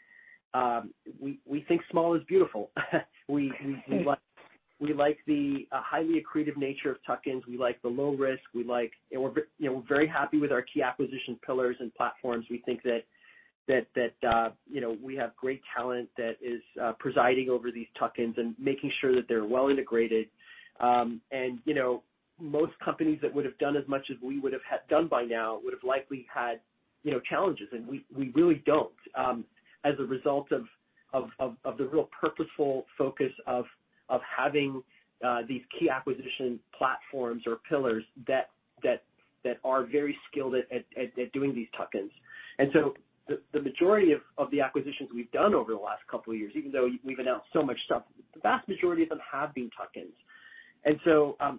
think small is beautiful. We like the highly accretive nature of tuck-ins. We like the low risk. You know, we're very happy with our key acquisition pillars and platforms. We think that you know, we have great talent that is presiding over these tuck-ins and making sure that they're well integrated. You know, most companies that would've done as much as we would've done by now would've likely had you know, challenges. We really don't as a result of the real purposeful focus of having these key acquisition platforms or pillars that are very skilled at doing these tuck-ins. The majority of the acquisitions we've done over the last couple of years, even though we've announced so much stuff, the vast majority of them have been tuck-ins.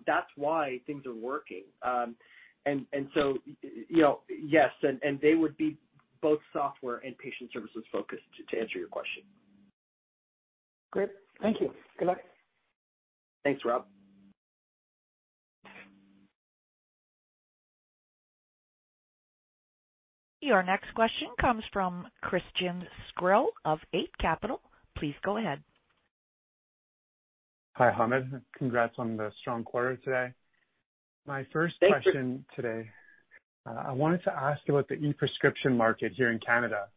That's why things are working. You know, yes, and they would be both software and patient services focused to answer your question. Great. Thank you. Good luck. Thanks, Rob. Your next question comes from Christian Sgro of Eight Capital. Please go ahead. Hi, Hamed. Congrats on the strong quarter today. Thank you. My first question today, I wanted to ask about the e-prescription market here in Canada.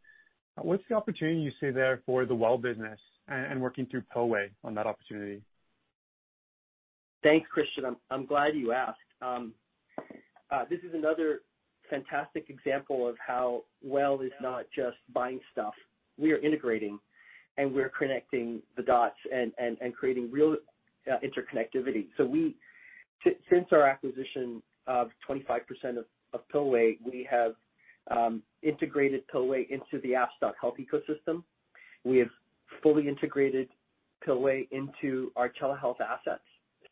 What's the opportunity you see there for the WELL business and working through Pillway on that opportunity? Thanks, Christian. I'm glad you asked. This is another fantastic example of how WELL is not just buying stuff. We are integrating, and we're connecting the dots and creating real interconnectivity. Since our acquisition of 25% of Pillway, we have integrated Pillway into the apps.health ecosystem. We have fully integrated Pillway into our telehealth assets.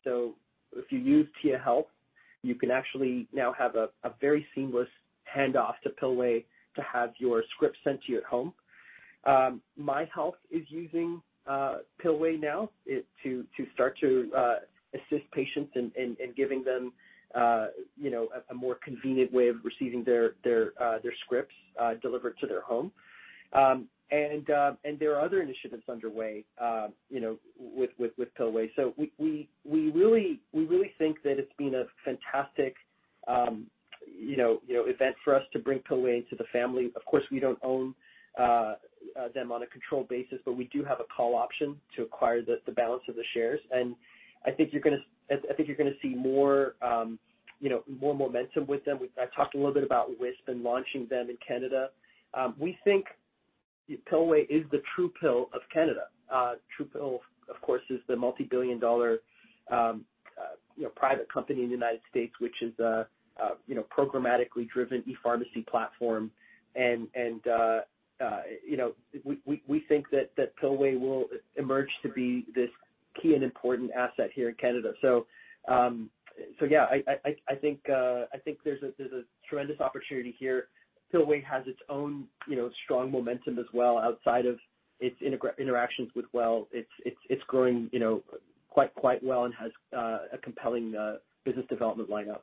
If you use Tia Health, you can actually now have a very seamless handoff to Pillway to have your script sent to your home. MyHealth is using Pillway now to start to assist patients in giving them you know a more convenient way of receiving their scripts delivered to their home. There are other initiatives underway you know with Pillway. We really think that it's been a fantastic, you know, event for us to bring Pillway into the family. Of course, we don't own them on a controlled basis, but we do have a call option to acquire the balance of the shares. I think you're gonna see more, you know, more momentum with them. I talked a little bit about WISP and launching them in Canada. We think Pillway is the Truepill of Canada. Truepill, of course, is the multi-billion dollar, you know, private company in the United States, which is, you know, programmatically driven ePharmacy platform. We think that Pillway will emerge to be this key and important asset here in Canada. I think there's a tremendous opportunity here. Pillway has its own, you know, strong momentum as well outside of its interactions with WELL. It's growing, you know, quite well and has a compelling business development lineup.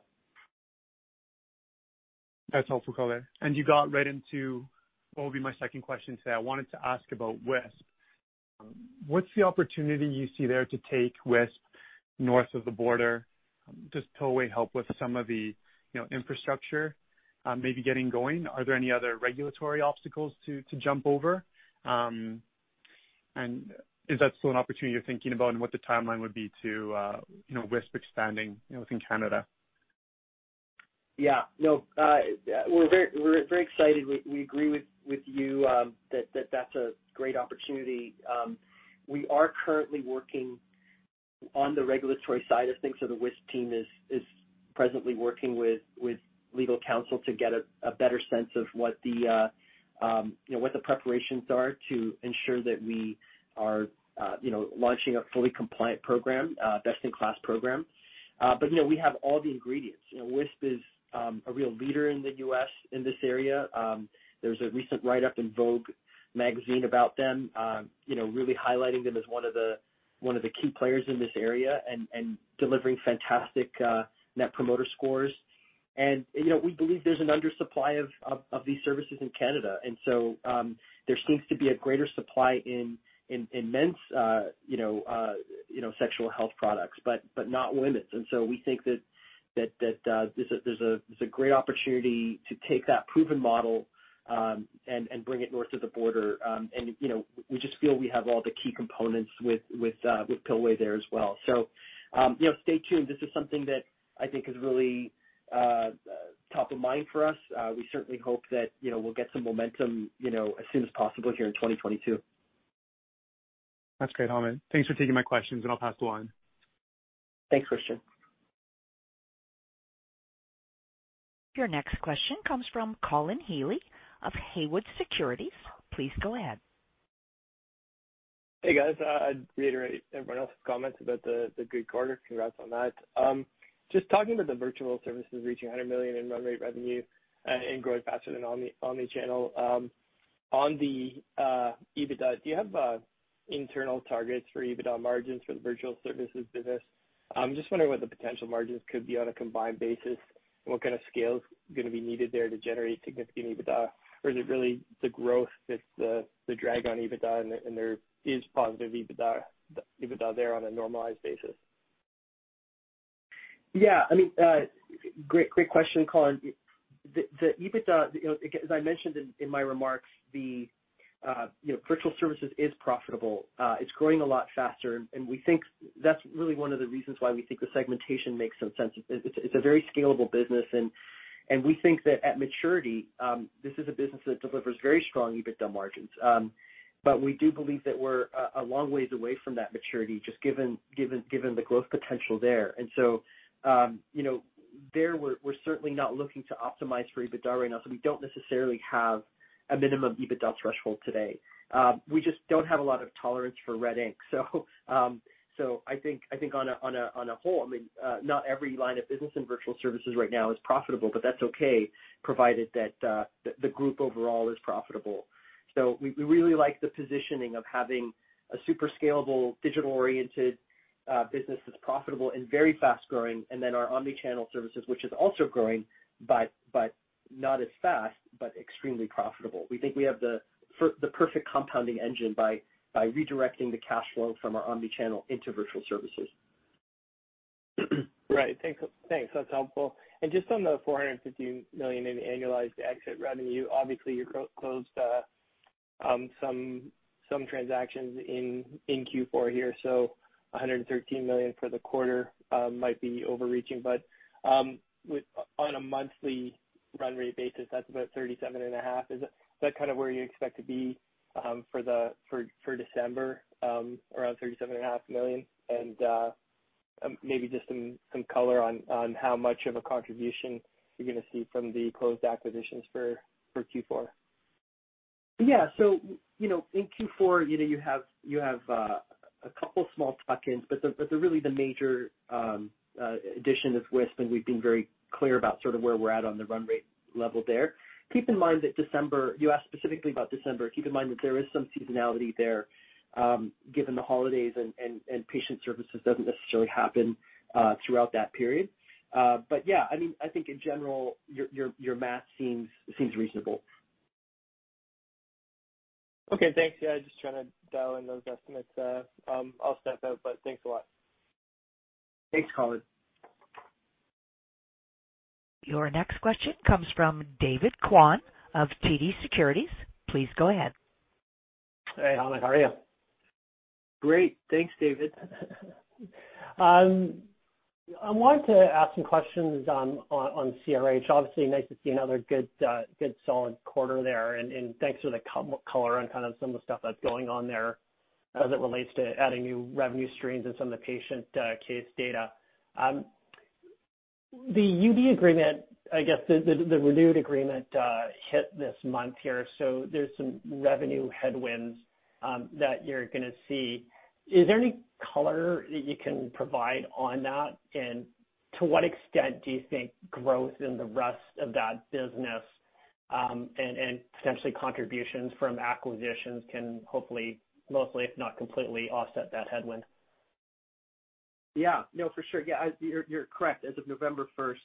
That's helpful, Hamed. You got right into what would be my second question today. I wanted to ask about WISP. What's the opportunity you see there to take WISP north of the border? Does Pillway help with some of the, you know, infrastructure, maybe getting going? Are there any other regulatory obstacles to jump over? Is that still an opportunity you're thinking about and what the timeline would be to, you know, WISP expanding, you know, within Canada? Yeah. No, we're very excited. We agree with you that that's a great opportunity. We are currently working on the regulatory side of things. The WISP team is presently working with legal counsel to get a better sense of what the preparations are to ensure that we are launching a fully compliant program, best-in-class program. You know, we have all the ingredients. You know, WISP is a real leader in the U.S. in this area. There's a recent write-up in Vogue magazine about them, you know, really highlighting them as one of the key players in this area and delivering fantastic Net Promoter Score. You know, we believe there's an undersupply of these services in Canada. There seems to be a greater supply in men's you know sexual health products, but not women's. We think that there's a great opportunity to take that proven model and bring it north of the border. You know, we just feel we have all the key components with Pillway there as well. You know, stay tuned. This is something that I think is really top of mind for us. We certainly hope that you know, we'll get some momentum, you know, as soon as possible here in 2022. That's great, Hamed. Thanks for taking my questions, and I'll pass the line. Thanks, Christian. Your next question comes from Colin Healey of Haywood Securities. Please go ahead. Hey, guys. I'd reiterate everyone else's comments about the good quarter. Congrats on that. Just talking to the Virtual Services reaching 100 million in run rate revenue, and growing faster than Omni-channel. On the EBITDA, do you have internal targets for EBITDA margins for the Virtual Services business? I'm just wondering what the potential margins could be on a combined basis and what kind of scale is gonna be needed there to generate significant EBITDA. Or is it really the growth that's the drag on EBITDA and there is positive EBITDA there on a normalized basis? Yeah. I mean, great question, Colin. The EBITDA, you know, as I mentioned in my remarks, you know, Virtual Services is profitable. It's growing a lot faster, and we think that's really one of the reasons why we think the segmentation makes some sense. It's a very scalable business and we think that at maturity, this is a business that delivers very strong EBITDA margins. But we do believe that we're a long ways away from that maturity just given the growth potential there. You know, we're certainly not looking to optimize for EBITDA right now, so we don't necessarily have a minimum EBITDA threshold today. We just don't have a lot of tolerance for red ink. I think on a whole, I mean, not every line of business in Virtual Services right now is profitable, but that's okay, provided that the group overall is profitable. We really like the positioning of having a super scalable digital-oriented business that's profitable and very fast-growing, and then our omni-channel services, which is also growing, but not as fast, but extremely profitable. We think we have the perfect compounding engine by redirecting the cash flow from our Omni-channel into Virtual Services. Right. Thanks. That's helpful. Just on the 450 million in annualized exit revenue, obviously you closed some transactions in Q4 here, so 113 million for the quarter might be overreaching. On a monthly run rate basis, that's about 37.5. Is that kind of where you expect to be for December around 37.5 million? Maybe just some color on how much of a contribution you're gonna see from the closed acquisitions for Q4. Yeah. You know, in Q4, you know, you have a couple small tuck-ins, but the real major addition is WISP, and we've been very clear about sort of where we're at on the run rate level there. Keep in mind that December. You asked specifically about December. Keep in mind that there is some seasonality there, given the holidays and patient services doesn't necessarily happen throughout that period. But yeah, I mean, I think in general, your math seems reasonable. Okay. Thanks. Yeah, just trying to dial in those estimates. I'll step out, but thanks a lot. Thanks, Colin. Your next question comes from David Kwan of TD Securities. Please go ahead. Hey, Hamed. How are you? Great. Thanks, David. I wanted to ask some questions on CRH. Obviously, nice to see another good solid quarter there and thanks for the color on kind of some of the stuff that's going on there as it relates to adding new revenue streams and some of the patient case data. The USAP agreement, I guess the renewed agreement, hit this month here, so there's some revenue headwinds that you're gonna see. Is there any color that you can provide on that? And to what extent do you think growth in the rest of that business and potentially contributions from acquisitions can hopefully mostly, if not completely, offset that headwind? Yeah. No, for sure. Yeah, you're correct. As of November 1st,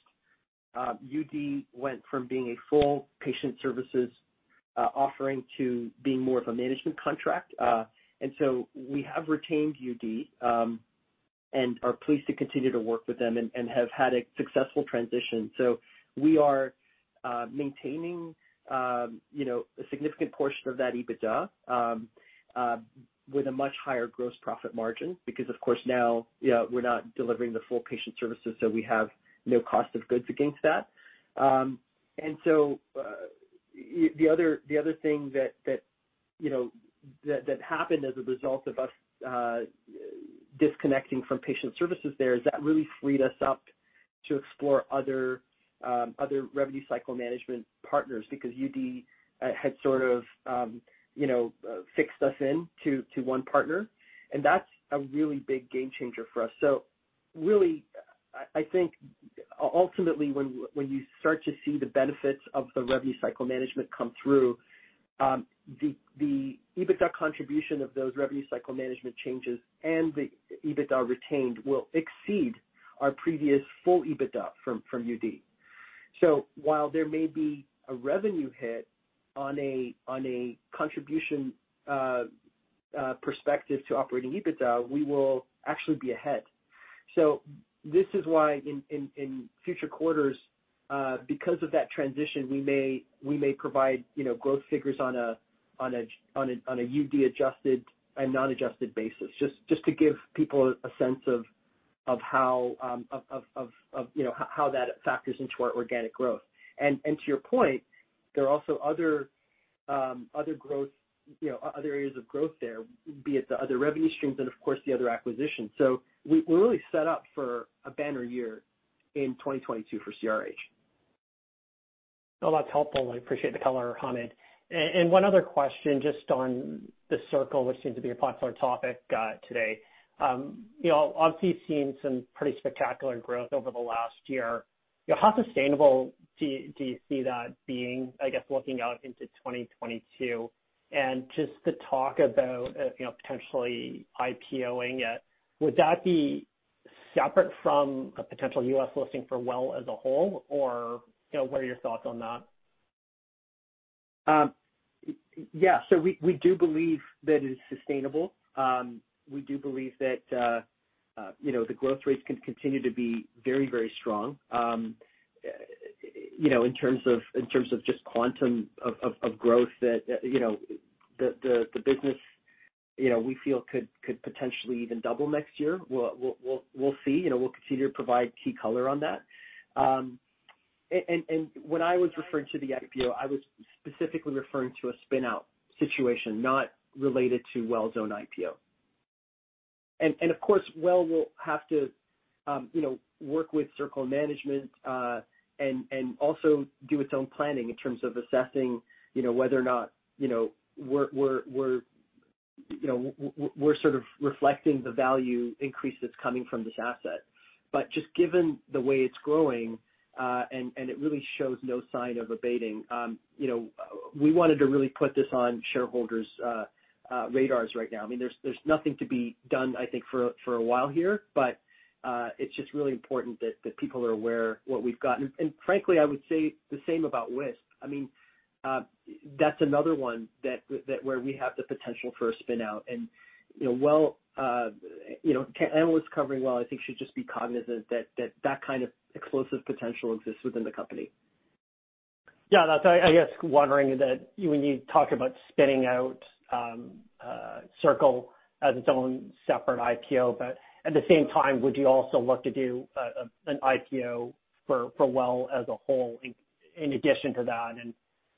2021 USAP went from being a full patient services offering to being more of a management contract. We have retained USAP and are pleased to continue to work with them and have had a successful transition. We are maintaining you know a significant portion of that EBITDA with a much higher gross profit margin because of course now you know we're not delivering the full patient services so we have no cost of goods against that. The other thing that you know that happened as a result of us disconnecting from patient services there is that really freed us up to explore other revenue cycle management partners because USAP had sort of you know fixed us in to one partner. That's a really big game changer for us. I think ultimately when you start to see the benefits of the revenue cycle management come through, the EBITDA contribution of those revenue cycle management changes and the EBITDA retained will exceed our previous full EBITDA from USAP. While there may be a revenue hit on a contribution perspective to operating EBITDA, we will actually be ahead. This is why in future quarters, because of that transition, we may provide, you know, growth figures on a USAP adjusted and non-adjusted basis, just to give people a sense of how that factors into our organic growth. To your point, there are also other growth, you know, other areas of growth there, be it the other revenue streams and of course the other acquisitions. We're really set up for a banner year in 2022 for CRH. Oh, that's helpful. I appreciate the color, Hamed. And one other question just on the Circle, which seems to be a popular topic, today. You know, obviously you've seen some pretty spectacular growth over the last year. How sustainable do you see that being, I guess, looking out into 2022? And just to talk about, you know, potentially IPO-ing it, would that be separate from a potential U.S. listing for WELL as a whole? Or, you know, what are your thoughts on that? Yeah. We do believe that it is sustainable. We do believe that you know, the growth rates can continue to be very, very strong. You know, in terms of just quantum of growth that you know, the business you know, we feel could potentially even double next year. We'll see. You know, we'll continue to provide key color on that. When I was referring to the IPO, I was specifically referring to a spin out situation not related to WELL's own IPO. Of course, WELL will have to, you know, work with Circle management, and also do its own planning in terms of assessing, you know, whether or not, you know, we're sort of reflecting the value increase that's coming from this asset. But just given the way it's growing, and it really shows no sign of abating, you know, we wanted to really put this on shareholders' radars right now. I mean, there's nothing to be done, I think, for a while here, but it's just really important that people are aware what we've got. Frankly, I would say the same about WISP. I mean, that's another one that where we have the potential for a spin out and, you know, well, you know, analysts covering WELL, I think, should just be cognizant that kind of explosive potential exists within the company. Yeah, that's why I guess wondering that when you talk about spinning out Circle as its own separate IPO, but at the same time, would you also look to do an IPO for WELL as a whole in addition to that?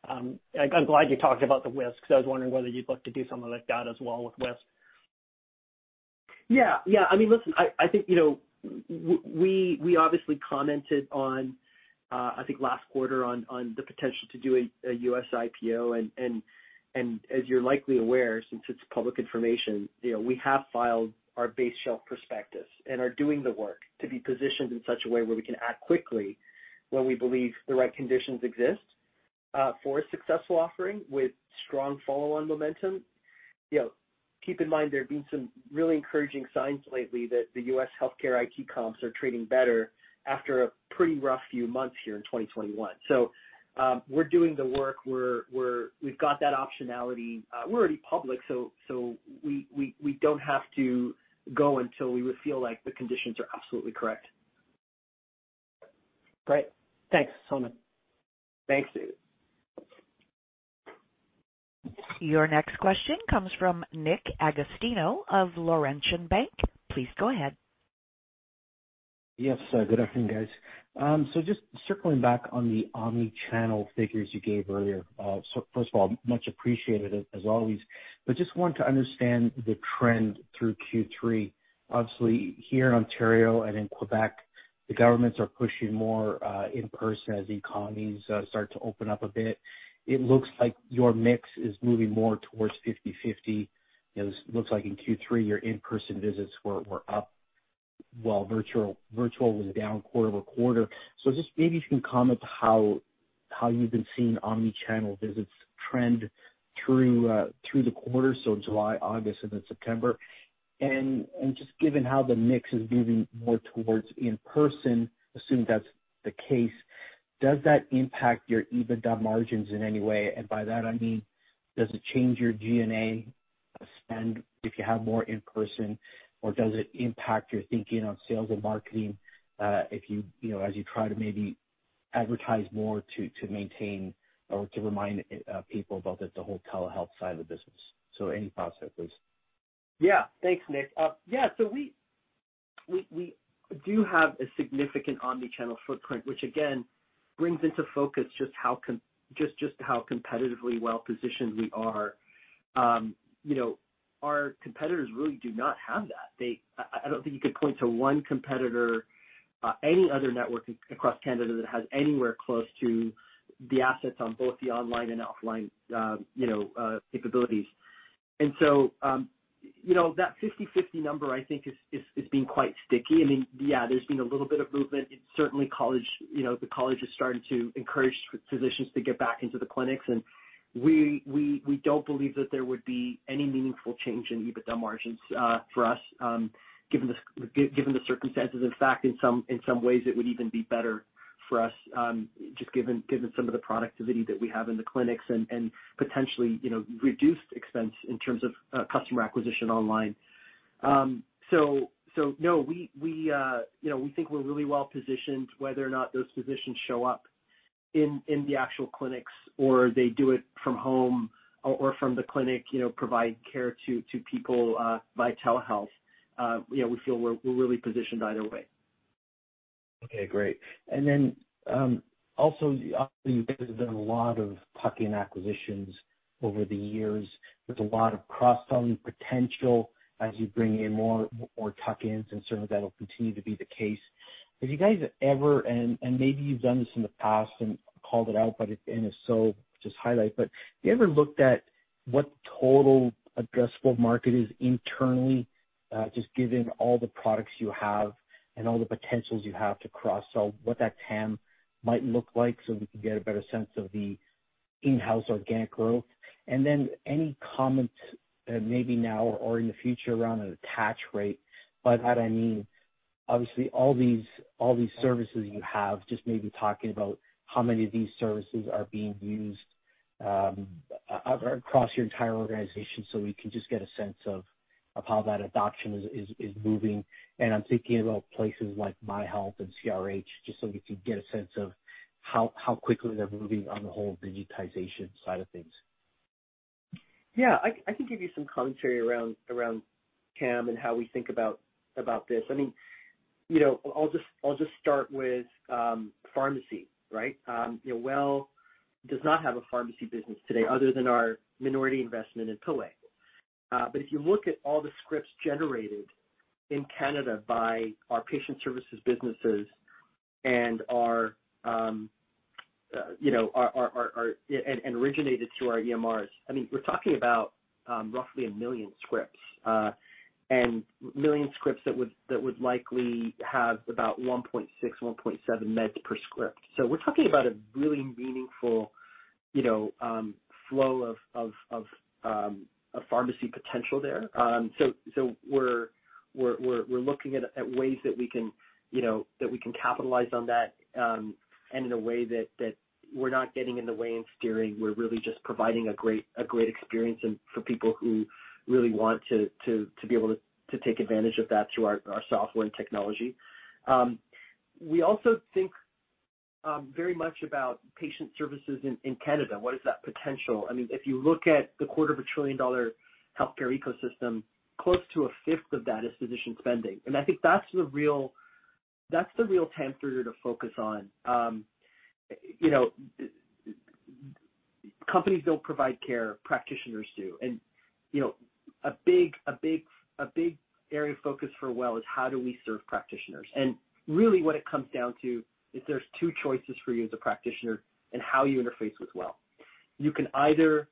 I'm glad you talked about the WISP because I was wondering whether you'd look to do some of that data as well with WISP. Yeah. I mean, listen, I think, you know, we obviously commented on, I think last quarter on the potential to do a U.S. IPO. As you're likely aware, since it's public information, you know, we have filed our base shelf prospectus and are doing the work to be positioned in such a way where we can act quickly when we believe the right conditions exist for a successful offering with strong follow-on momentum. You know, keep in mind there have been some really encouraging signs lately that the U.S. healthcare IT comps are trading better after a pretty rough few months here in 2021. We're doing the work. We've got that optionality. We're already public, so we don't have to go until we would feel like the conditions are absolutely correct. Great. Thanks so much. Thanks, David. Your next question comes from Nick Agostino of Laurentian Bank. Please go ahead. Yes. Good afternoon, guys. Just circling back on the Omni-channel figures you gave earlier. First of all, much appreciated as always, but just want to understand the trend through Q3. Obviously, here in Ontario and in Quebec, the governments are pushing more in-person as economies start to open up a bit. It looks like your mix is moving more towards 50/50. You know, it looks like in Q3, your in-person visits were up while virtual was down quarter-over-quarter. Just maybe if you can comment how you've been seeing omni-channel visits trend through the quarter, so July, August, and then September. Just given how the mix is moving more towards in-person, assuming that's the case, does that impact your EBITDA margins in any way? By that I mean, does it change your G&A spend if you have more in-person, or does it impact your thinking on sales and marketing, if you know, as you try to maybe advertise more to maintain or to remind people about the whole telehealth side of the business? Any thoughts there, please. Yeah. Thanks, Nick. Yeah. We do have a significant omni-channel footprint, which again brings into focus just how competitively well positioned we are. You know, our competitors really do not have that. I don't think you could point to one competitor, any other network across Canada that has anywhere close to the assets on both the online and offline, you know, capabilities. You know, that 50/50 number I think is being quite sticky. I mean, yeah, there's been a little bit of movement in certainly college. You know, the college is starting to encourage physicians to get back into the clinics, and we don't believe that there would be any meaningful change in EBITDA margins for us, given the circumstances. In fact, in some ways, it would even be better for us, just given some of the productivity that we have in the clinics and potentially, you know, reduced expense in terms of customer acquisition online. No, we, you know, we think we're really well-positioned whether or not those physicians show up in the actual clinics or they do it from home or from the clinic, you know, provide care to people via telehealth. You know, we feel we're really positioned either way. Okay, great. Also, obviously you guys have done a lot of tuck-in acquisitions over the years with a lot of cross-selling potential as you bring in more tuck-ins, and certainly that'll continue to be the case. Maybe you've done this in the past and called it out, but if so, just highlight. Have you ever looked at what total addressable market is internally, just given all the products you have and all the potentials you have to cross-sell, what that TAM might look like so we can get a better sense of the in-house organic growth? Any comments, maybe now or in the future around an attach rate? By that, I mean obviously all these services you have, just maybe talking about how many of these services are being used across your entire organization, so we can just get a sense of how that adoption is moving. I'm thinking about places like MyHealth and CRH, just so we can get a sense of how quickly they're moving on the whole digitization side of things. I can give you some commentary around TAM and how we think about this. I mean, you know, I'll just start with pharmacy, right? You know, WELL does not have a pharmacy business today other than our minority investment in Pillway. But if you look at all the scripts generated in Canada by our patient services businesses and originated in our EMRs, I mean, we're talking about roughly a million scripts that would likely have about 1.6-1.7 meds per script. So we're talking about a really meaningful, you know, flow of a pharmacy potential there. We're looking at ways that we can, you know, that we can capitalize on that, and in a way that we're not getting in the way and steering. We're really just providing a great experience for people who really want to be able to take advantage of that through our software and technology. We also think very much about patient services in Canada. What is that potential? I mean, if you look at the $250 billion healthcare ecosystem, close to a fifth of that is physician spending. I think that's the real TAM for you to focus on. You know, companies don't provide care, practitioners do. You know, a big area of focus for WELL is how do we serve practitioners? Really what it comes down to is there's two choices for you as a practitioner in how you interface with WELL. You can either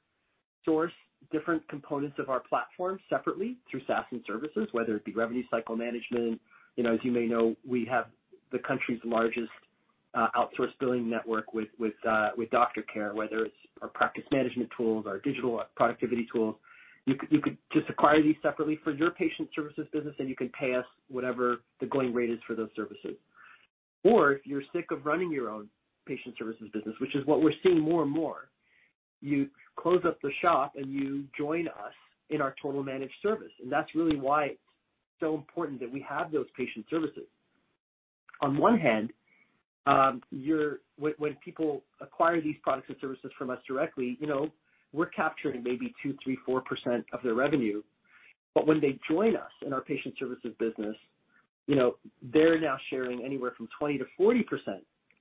source different components of our platform separately through SaaS and services, whether it be revenue cycle management. You know, as you may know, we have the country's largest outsourced billing network with DoctorCare, whether it's our practice management tools, our digital productivity tools. You could just acquire these separately for your patient services business, and you can pay us whatever the going rate is for those services. If you're sick of running your own patient services business, which is what we're seeing more and more, you close up the shop, and you join us in our total managed service. That's really why it's so important that we have those patient services. On one hand, when people acquire these products and services from us directly, you know, we're capturing maybe 2%, 3%, 4% of their revenue. When they join us in our patient services business, you know, they're now sharing anywhere from 20%-40%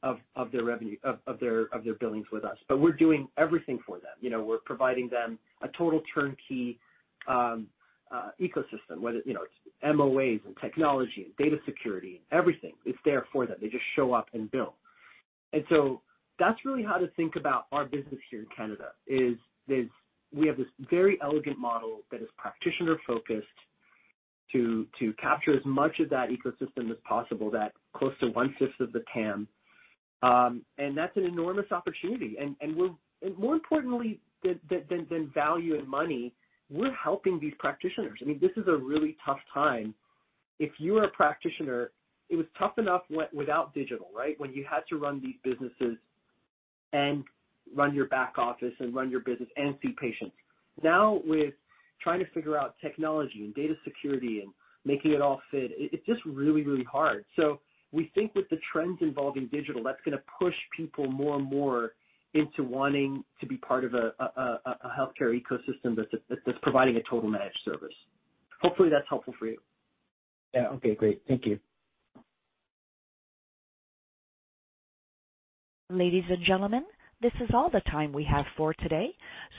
of their revenue, of their billings with us, but we're doing everything for them. You know, we're providing them a total turnkey ecosystem, whether you know it's MOAs and technology and data security and everything. It's there for them. They just show up and bill. That's really how to think about our business here in Canada. We have this very elegant model that is practitioner-focused to capture as much of that ecosystem as possible, that close to one-fifth of the TAM. That's an enormous opportunity. More importantly than value and money, we're helping these practitioners. I mean, this is a really tough time. If you're a practitioner, it was tough enough without digital, right? When you had to run these businesses and run your back office and run your business and see patients. Now with trying to figure out technology and data security and making it all fit, it's just really hard. We think with the trends involving digital, that's gonna push people more and more into wanting to be part of a healthcare ecosystem that's providing a total managed service. Hopefully, that's helpful for you. Yeah. Okay, great. Thank you. Ladies and gentlemen, this is all the time we have for today,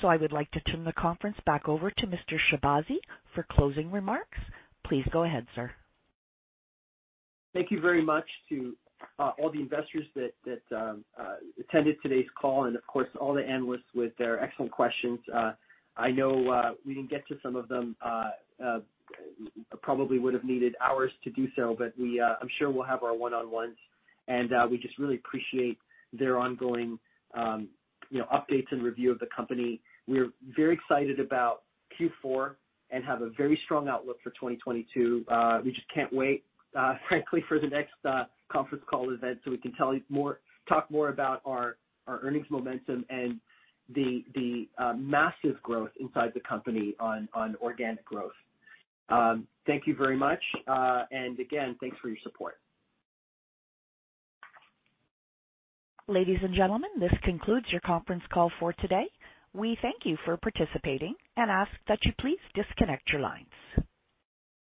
so I would like to turn the conference back over to Mr. Shahbazi for closing remarks. Please go ahead, sir. Thank you very much to all the investors that attended today's call and, of course, all the analysts with their excellent questions. I know we didn't get to some of them. Probably would have needed hours to do so, but I'm sure we'll have our one-on-ones, and we just really appreciate their ongoing, you know, updates and review of the company. We're very excited about Q4 and have a very strong outlook for 2022. We just can't wait, frankly, for the next conference call event so we can talk more about our earnings momentum and the massive growth inside the company on organic growth. Thank you very much. Again, thanks for your support. Ladies and gentlemen, this concludes your conference call for today. We thank you for participating and ask that you please disconnect your lines.